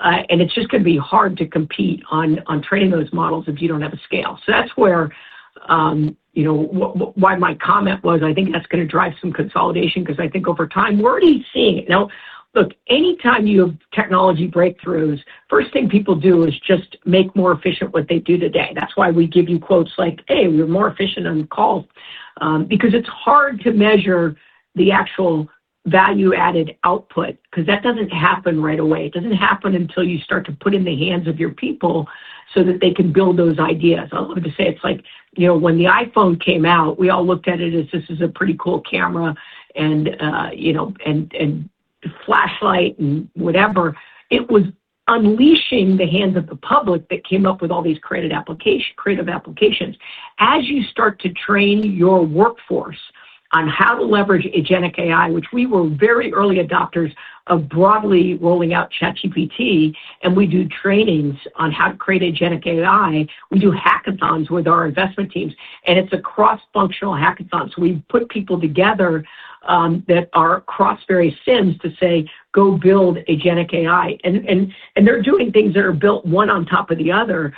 [SPEAKER 3] And it's just gonna be hard to compete on training those models if you don't have a scale. So that's where, you know, why my comment was, I think that's gonna drive some consolidation because I think over time, we're already seeing it. Now, look, anytime you have technology breakthroughs, first thing people do is just make more efficient what they do today. That's why we give you quotes like, "Hey, we're more efficient on calls." Because it's hard to measure the actual value-added output, 'cause that doesn't happen right away. It doesn't happen until you start to put in the hands of your people so that they can build those ideas. I like to say it's like, you know, when the iPhone came out, we all looked at it as, this is a pretty cool camera, and, you know, and flashlight and whatever. It was unleashing the hands of the public that came up with all these creative applications. As you start to train your workforce on how to leverage agentic AI, which we were very early adopters of broadly rolling out ChatGPT, and we do trainings on how to create agentic AI. We do hackathons with our investment teams, and it's a cross-functional hackathon, so we put people together that are across various SMAs to say, "Go build Agentic AI." And they're doing things that are built one on top of the other,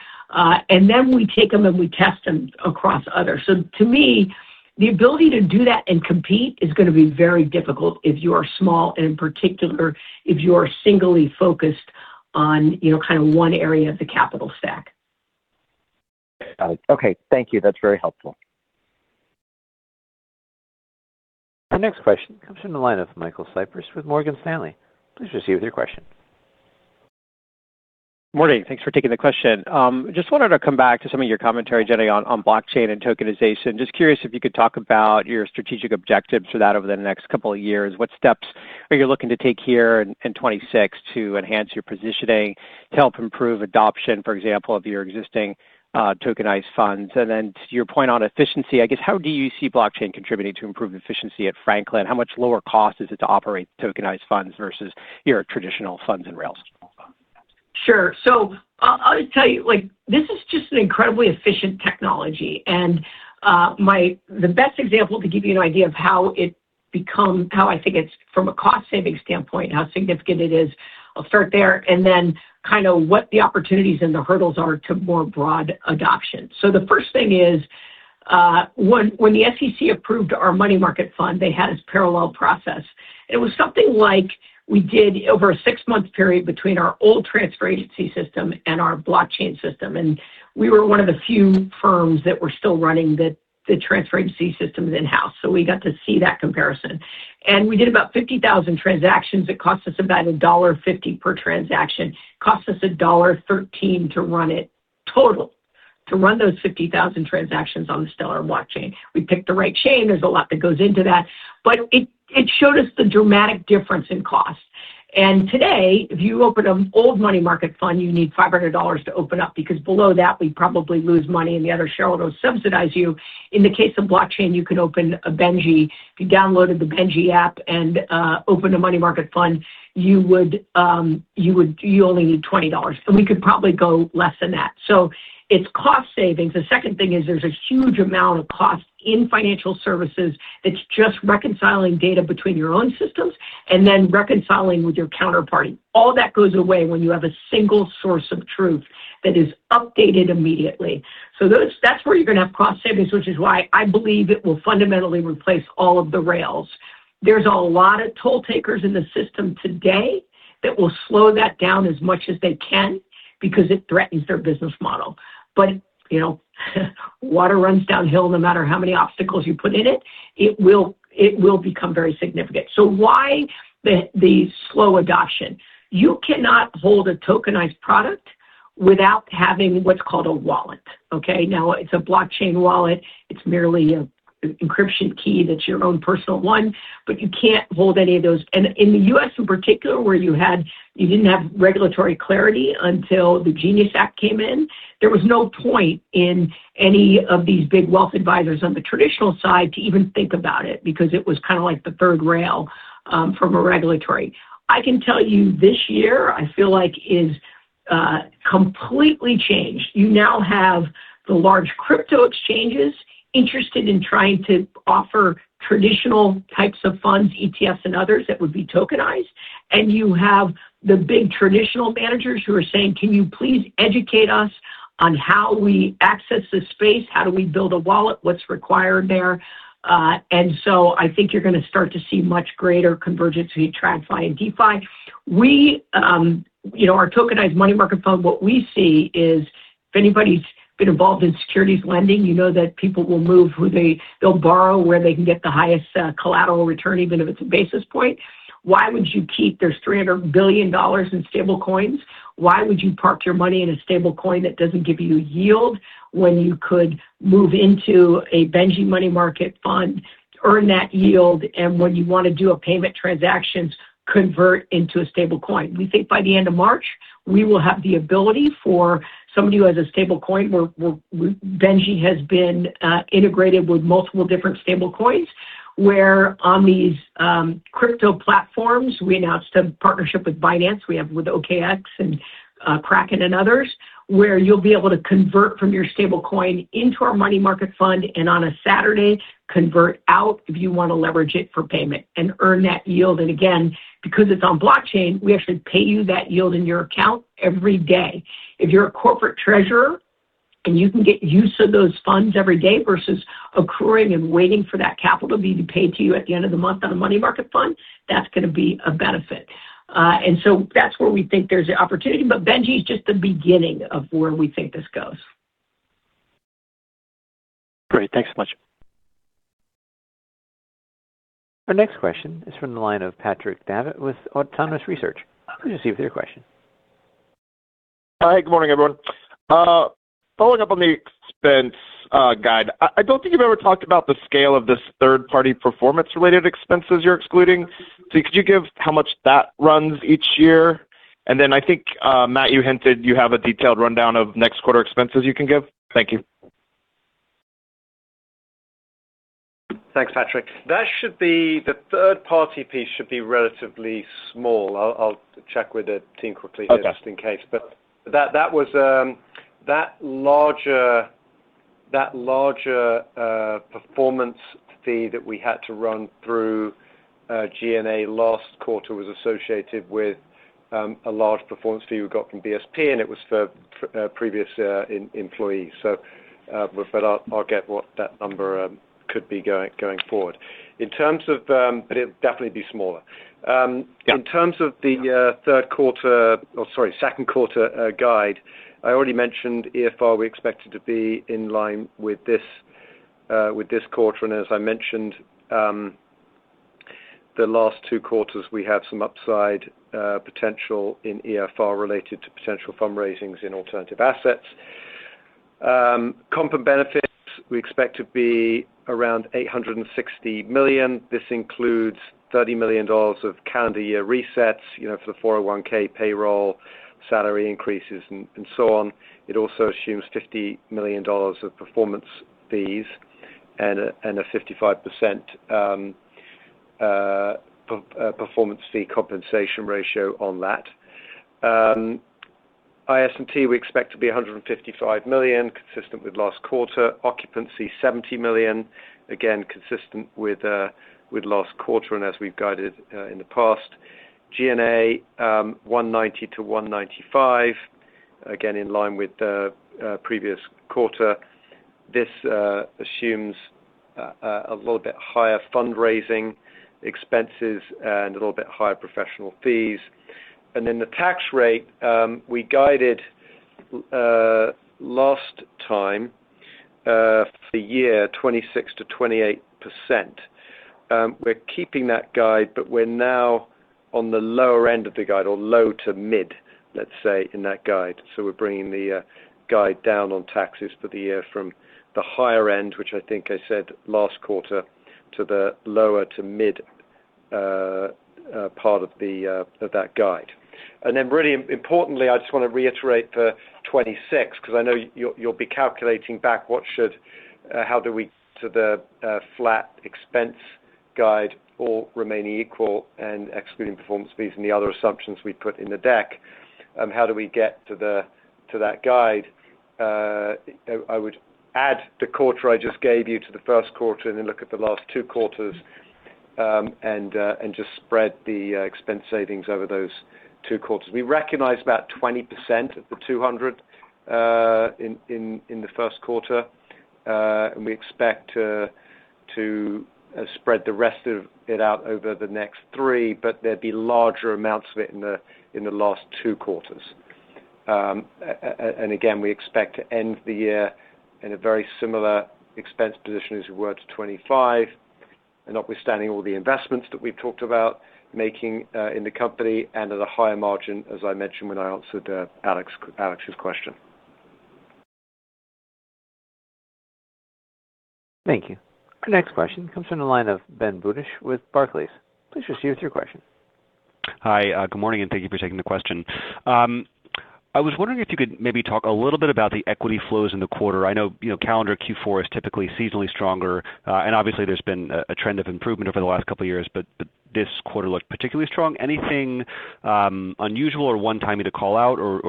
[SPEAKER 3] and then we take them, and we test them across others. So to me, the ability to do that and compete is gonna be very difficult if you are small, and in particular, if you are singly focused on, you know, kind of one area of the capital stack.
[SPEAKER 12] Got it. Okay, thank you. That's very helpful.
[SPEAKER 1] Our next question comes from the line of Michael Cyprys with Morgan Stanley. Please proceed with your question.
[SPEAKER 13] Morning. Thanks for taking the question. Just wanted to come back to some of your commentary, Jenny, on blockchain and tokenization. Just curious if you could talk about your strategic objectives for that over the next couple of years. What steps are you looking to take here in 2026 to enhance your positioning, to help improve adoption, for example, of your existing tokenized funds? And then to your point on efficiency, I guess, how do you see blockchain contributing to improved efficiency at Franklin? How much lower cost is it to operate tokenized funds versus your traditional funds and rails funds?
[SPEAKER 3] Sure. So I'll tell you, like, this is just an incredibly efficient technology, and the best example to give you an idea of how I think it's, from a cost-saving standpoint, how significant it is. I'll start there, and then kind of what the opportunities and the hurdles are to more broad adoption. So the first thing is, when the SEC approved our money market fund, they had this parallel process. It was something like we did over a 6-month period between our old transfer agency system and our blockchain system, and we were one of the few firms that were still running the transfer agency systems in-house, so we got to see that comparison. And we did about 50,000 transactions. It cost us about $1.50 per transaction. Cost us $1.13 to run it total, to run those 50,000 transactions on the Stellar blockchain. We picked the right chain. There's a lot that goes into that, but it showed us the dramatic difference in cost. Today, if you open an old money market fund, you need $500 to open up, because below that, we'd probably lose money, and the other shareholders subsidize you. In the case of blockchain, you could open a Benji. If you downloaded the Benji app and opened a money market fund, you would only need $20, and we could probably go less than that. So it's cost savings. The second thing is, there's a huge amount of cost in financial services that's just reconciling data between your own systems and then reconciling with your counterparty. All that goes away when you have a single source of truth... that is updated immediately. So those- that's where you're gonna have cost savings, which is why I believe it will fundamentally replace all of the rails. There's a lot of toll takers in the system today that will slow that down as much as they can because it threatens their business model. But, you know, water runs downhill, no matter how many obstacles you put in it, it will, it will become very significant. So why the, the slow adoption? You cannot hold a tokenized product without having what's called a wallet, okay? Now, it's a blockchain wallet. It's merely an encryption key that's your own personal one, but you can't hold any of those. In the U.S., in particular, where you didn't have regulatory clarity until the Genius Act came in, there was no point in any of these big wealth advisors on the traditional side to even think about it, because it was kind of like the third rail from a regulatory. I can tell you this year, I feel like is completely changed. You now have the large crypto exchanges interested in trying to offer traditional types of funds, ETFs and others, that would be tokenized. And you have the big traditional managers who are saying, "Can you please educate us on how we access this space? How do we build a wallet? What's required there?" And so I think you're going to start to see much greater convergence between TradFi and DeFi. We, you know, our tokenized money market fund, what we see is if anybody's been involved in securities lending, you know that people will move where they-- they'll borrow, where they can get the highest, collateral return, even if it's a basis point. Why would you keep there's $300 billion in stablecoins, why would you park your money in a stable coin that doesn't give you yield, when you could move into a Benji money market fund, earn that yield, and when you want to do a payment transactions, convert into a stable coin? We think by the end of March, we will have the ability for somebody who has a stable coin, where Benji has been integrated with multiple different stablecoins, where on these crypto platforms, we announced a partnership with Binance. We have with OKX and, Kraken and others, where you'll be able to convert from your stablecoin into our money market fund, and on a Saturday, convert out if you want to leverage it for payment and earn that yield. And again, because it's on blockchain, we actually pay you that yield in your account every day. If you're a corporate treasurer, and you can get use of those funds every day versus accruing and waiting for that capital to be paid to you at the end of the month on a money market fund, that's going to be a benefit. and so that's where we think there's an opportunity, but Benji is just the beginning of where we think this goes.
[SPEAKER 13] Great. Thanks so much.
[SPEAKER 1] Our next question is from the line of Patrick Davitt with Autonomous Research. Please proceed with your question.
[SPEAKER 14] Hi, good morning, everyone. Following up on the expense guide, I don't think you've ever talked about the scale of this third-party performance-related expenses you're excluding. So could you give how much that runs each year? And then I think, Matt, you hinted you have a detailed rundown of next quarter expenses you can give. Thank you.
[SPEAKER 5] Thanks, Patrick. That should be, the third-party piece should be relatively small. I'll check with the team quickly-
[SPEAKER 14] Okay.
[SPEAKER 5] Just in case. But that was that larger performance fee that we had to run through G&A last quarter was associated with a large performance fee we got from BSP, and it was for previous employees. So but I'll get what that number could be going forward. In terms of... But it'll definitely be smaller.
[SPEAKER 14] Yeah.
[SPEAKER 5] In terms of the third quarter, or sorry, second quarter guide, I already mentioned, AFR, we expect it to be in line with this, with this quarter. And as I mentioned, the last two quarters, we have some upside potential in AFR related to potential fundraisings in alternative assets. Comp and benefits, we expect to be around $860 million. This includes $30 million of calendar year resets, you know, for the 401(k) payroll, salary increases, and so on. It also assumes $50 million of performance fees and a 55% performance fee compensation ratio on that. IS&T, we expect to be $155 million, consistent with last quarter. Occupancy, $70 million, again, consistent with last quarter, and as we've guided in the past. G&A, $190 million-$195 million, again, in line with the previous quarter. This assumes a little bit higher fundraising expenses and a little bit higher professional fees. And then the tax rate, we guided last time for the year, 26%-28%. We're keeping that guide, but we're now on the lower end of the guide or low to mid, let's say, in that guide. So we're bringing the guide down on taxes for the year from the higher end, which I think I said last quarter, to the lower to mid part of that guide. And then really importantly, I just want to reiterate for 26, because I know you'll be calculating back what should, how do we get to the flat expense guide all remaining equal and excluding performance fees and the other assumptions we put in the deck, how do we get to that guide? I would add the quarter I just gave you to the first quarter and then look at the last two quarters.... and just spread the expense savings over those two quarters. We recognized about 20% of the $200 in the first quarter. And we expect to spread the rest of it out over the next three, but there'd be larger amounts of it in the last two quarters. And again, we expect to end the year in a very similar expense position as we were to 2025, and notwithstanding all the investments that we've talked about making in the company and at a higher margin, as I mentioned when I answered Alex's question.
[SPEAKER 1] Thank you. Our next question comes from the line of Ben Budish with Barclays. Please just proceed with your question.
[SPEAKER 15] Hi, good morning, and thank you for taking the question. I was wondering if you could maybe talk a little bit about the equity flows in the quarter. I know, you know, calendar Q4 is typically seasonally stronger, and obviously there's been a trend of improvement over the last couple of years, but this quarter looked particularly strong. Anything unusual or one-time to call out, or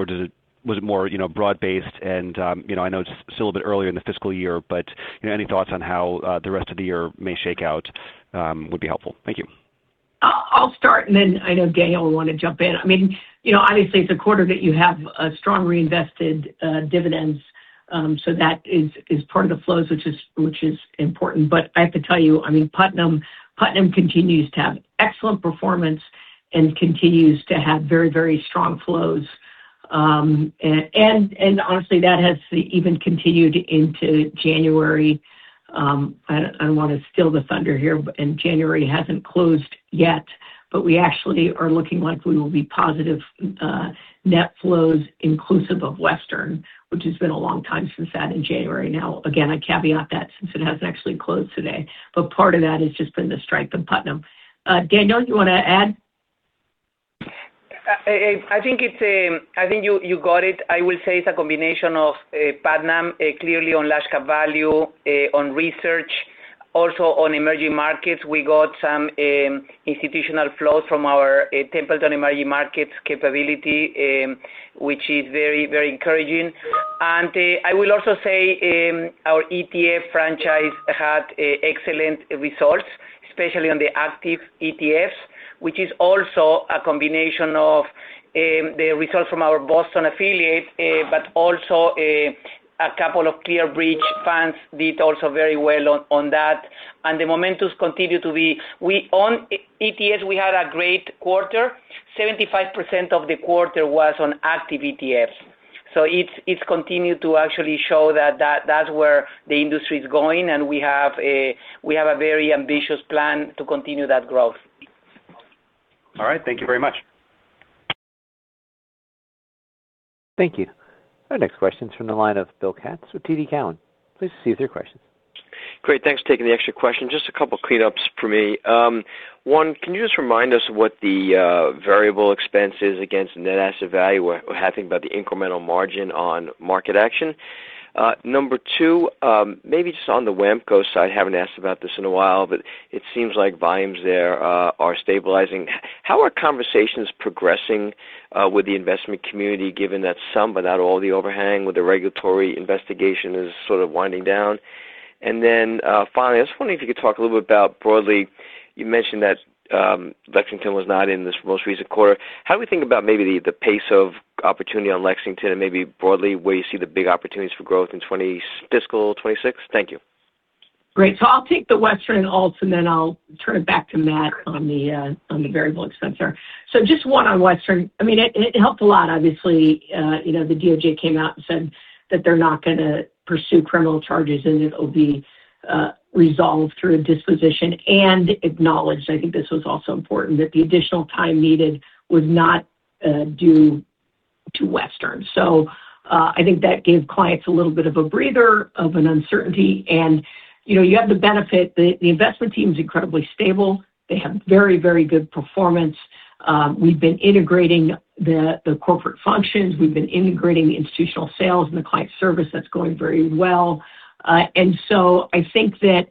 [SPEAKER 15] was it more, you know, broad-based? And, you know, I know it's still a bit earlier in the fiscal year, but, you know, any thoughts on how the rest of the year may shake out would be helpful. Thank you.
[SPEAKER 3] I'll start, and then I know Daniel will wanna jump in. I mean, you know, obviously, it's a quarter that you have strong reinvested dividends, so that is part of the flows, which is important. But I have to tell you, I mean, Putnam, Putnam continues to have excellent performance and continues to have very, very strong flows. And honestly, that has even continued into January. I don't wanna steal the thunder here, but January hasn't closed yet, but we actually are looking like we will be positive net flows, inclusive of Western, which has been a long time since that in January. Now, again, I caveat that since it hasn't actually closed today, but part of that has just been the strength of Putnam. Daniel, you wanna add?
[SPEAKER 10] I think you got it. I will say it's a combination of Putnam, clearly on large cap value, on research. Also, on emerging markets, we got some institutional flows from our Templeton Emerging Markets capability, which is very, very encouraging. And I will also say, our ETF franchise had excellent results, especially on the active ETFs, which is also a combination of the results from our Boston affiliate, but also a couple of ClearBridge funds did also very well on that. And the momentum continues to be with us on ETFs, we had a great quarter. 75% of the quarter was on active ETFs. It's continued to actually show that that's where the industry is going, and we have a very ambitious plan to continue that growth.
[SPEAKER 15] All right. Thank you very much.
[SPEAKER 1] Thank you. Our next question is from the line of Bill Katz with TD Cowen. Please proceed with your question.
[SPEAKER 4] Great. Thanks for taking the extra question. Just a couple of cleanups for me. One, can you just remind us what the variable expense is against net asset value? We're, we're happy about the incremental margin on market action. Number two, maybe just on the WAMCO side, I haven't asked about this in a while, but it seems like volumes there are stabilizing. How are conversations progressing with the investment community, given that some, but not all, of the overhang with the regulatory investigation is sort of winding down? And then, finally, I was wondering if you could talk a little bit about broadly, you mentioned that Lexington was not in this most recent quarter. How do we think about maybe the pace of opportunity on Lexington and maybe broadly, where you see the big opportunities for growth in fiscal 2026? Thank you.
[SPEAKER 3] Great. So I'll take the Western alts, and then I'll turn it back to Matt on the, on the variable expense there. So just one on Western. I mean, it, it helped a lot, obviously. You know, the DOJ came out and said that they're not gonna pursue criminal charges, and it'll be, resolved through a disposition and acknowledged, I think this was also important, that the additional time needed was not, due to Western. So, I think that gave clients a little bit of a breather of an uncertainty. And, you know, you have the benefit, the, the investment team is incredibly stable. They have very, very good performance. We've been integrating the, the corporate functions. We've been integrating the institutional sales and the client service. That's going very well. And so I think that,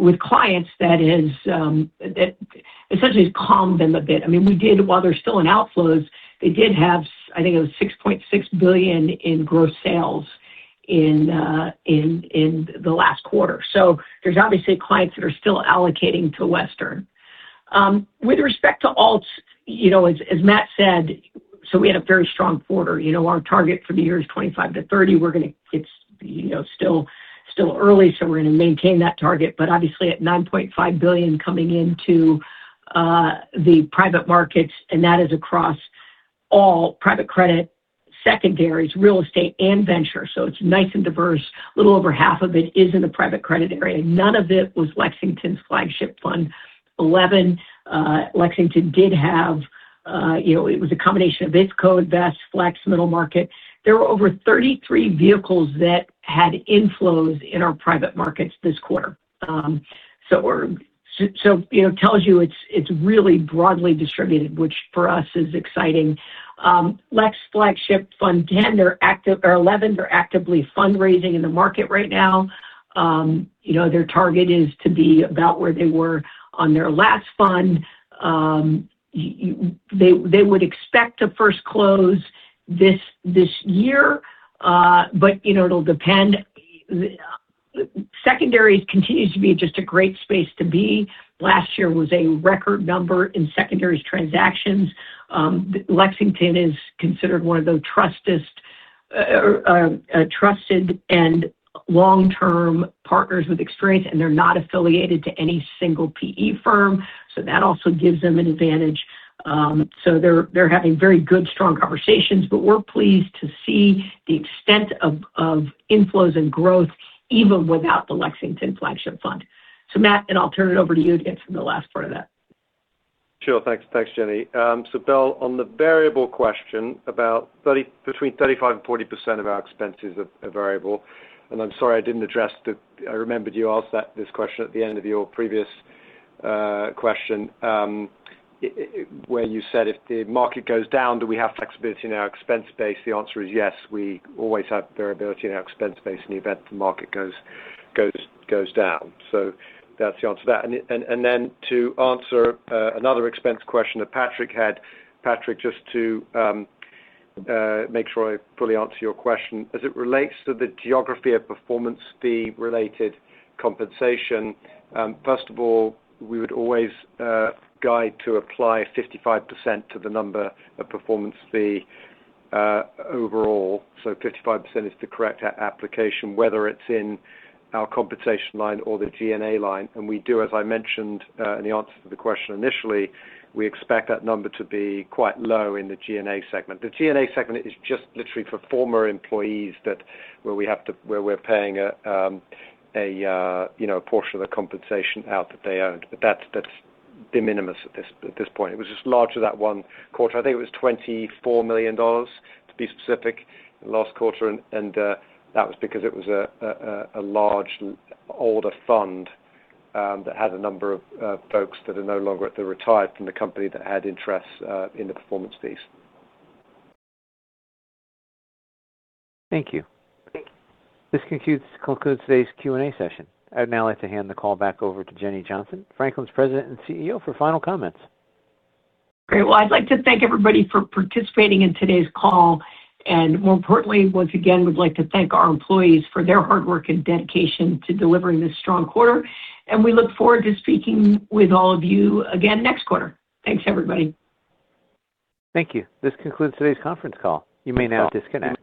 [SPEAKER 3] with clients, that is, that essentially has calmed them a bit. I mean, we did, while there's still outflows, they did have, I think it was $6.6 billion in gross sales in the last quarter. So there's obviously clients that are still allocating to Western. With respect to alts, you know, as Matt said, so we had a very strong quarter. You know, our target for the year is 25-30. We're gonna, it's, you know, still early, so we're gonna maintain that target. But obviously, $9.5 billion coming into the private markets, and that is across all private credit, secondaries, real estate, and venture, so it's nice and diverse. A little over half of it is in the private credit area. None of it was Lexington's flagship fund Eleven. Lexington did have, you know, it was a combination of BSP, Vest, Flex, Middle Market. There were over 33 vehicles that had inflows in our private markets this quarter. So, you know, it tells you it's really broadly distributed, which for us is exciting. Lex Flagship Fund 10, they're active, or 11, they're actively fundraising in the market right now. You know, their target is to be about where they were on their last fund. They would expect to first close this year, but, you know, it'll depend. The secondaries continues to be just a great space to be. Last year was a record number in secondaries transactions. Lexington is considered one of the trusted and long-term partners with experience, and they're not affiliated to any single PE firm, so that also gives them an advantage. So they're having very good, strong conversations. But we're pleased to see the extent of inflows and growth, even without the Lexington flagship fund. So, Matt, and I'll turn it over to you again for the last part of that.
[SPEAKER 5] Sure. Thanks. Thanks, Jenny. So Bill, on the variable question, between 35%-40% of our expenses are variable. And I'm sorry, I didn't address the... I remembered you asked that, this question at the end of your previous question, where you said, "If the market goes down, do we have flexibility in our expense base?" The answer is yes. We always have variability in our expense base in the event the market goes down. So that's the answer to that. And then to answer another expense question that Patrick had, Patrick, just to make sure I fully answer your question, as it relates to the geography of performance fee-related compensation, first of all, we would always guide to apply 55% to the number of performance fee overall. So 55% is the correct application, whether it's in our compensation line or the G&A line. And we do, as I mentioned, in the answer to the question initially, we expect that number to be quite low in the G&A segment. The G&A segment is just literally for former employees that, where we have to—where we're paying you know, a portion of the compensation out that they owned. But that's de minimis at this point. It was just large of that one quarter. I think it was $24 million, to be specific, last quarter. And that was because it was a large older fund that had a number of folks that are no longer at... They're retired from the company that had interest in the performance fees.
[SPEAKER 1] Thank you. This concludes today's Q&A session. I'd now like to hand the call back over to Jenny Johnson, Franklin's President and CEO, for final comments.
[SPEAKER 3] Great. Well, I'd like to thank everybody for participating in today's call, and more importantly, once again, we'd like to thank our employees for their hard work and dedication to delivering this strong quarter. We look forward to speaking with all of you again next quarter. Thanks, everybody.
[SPEAKER 1] Thank you. This concludes today's conference call. You may now disconnect.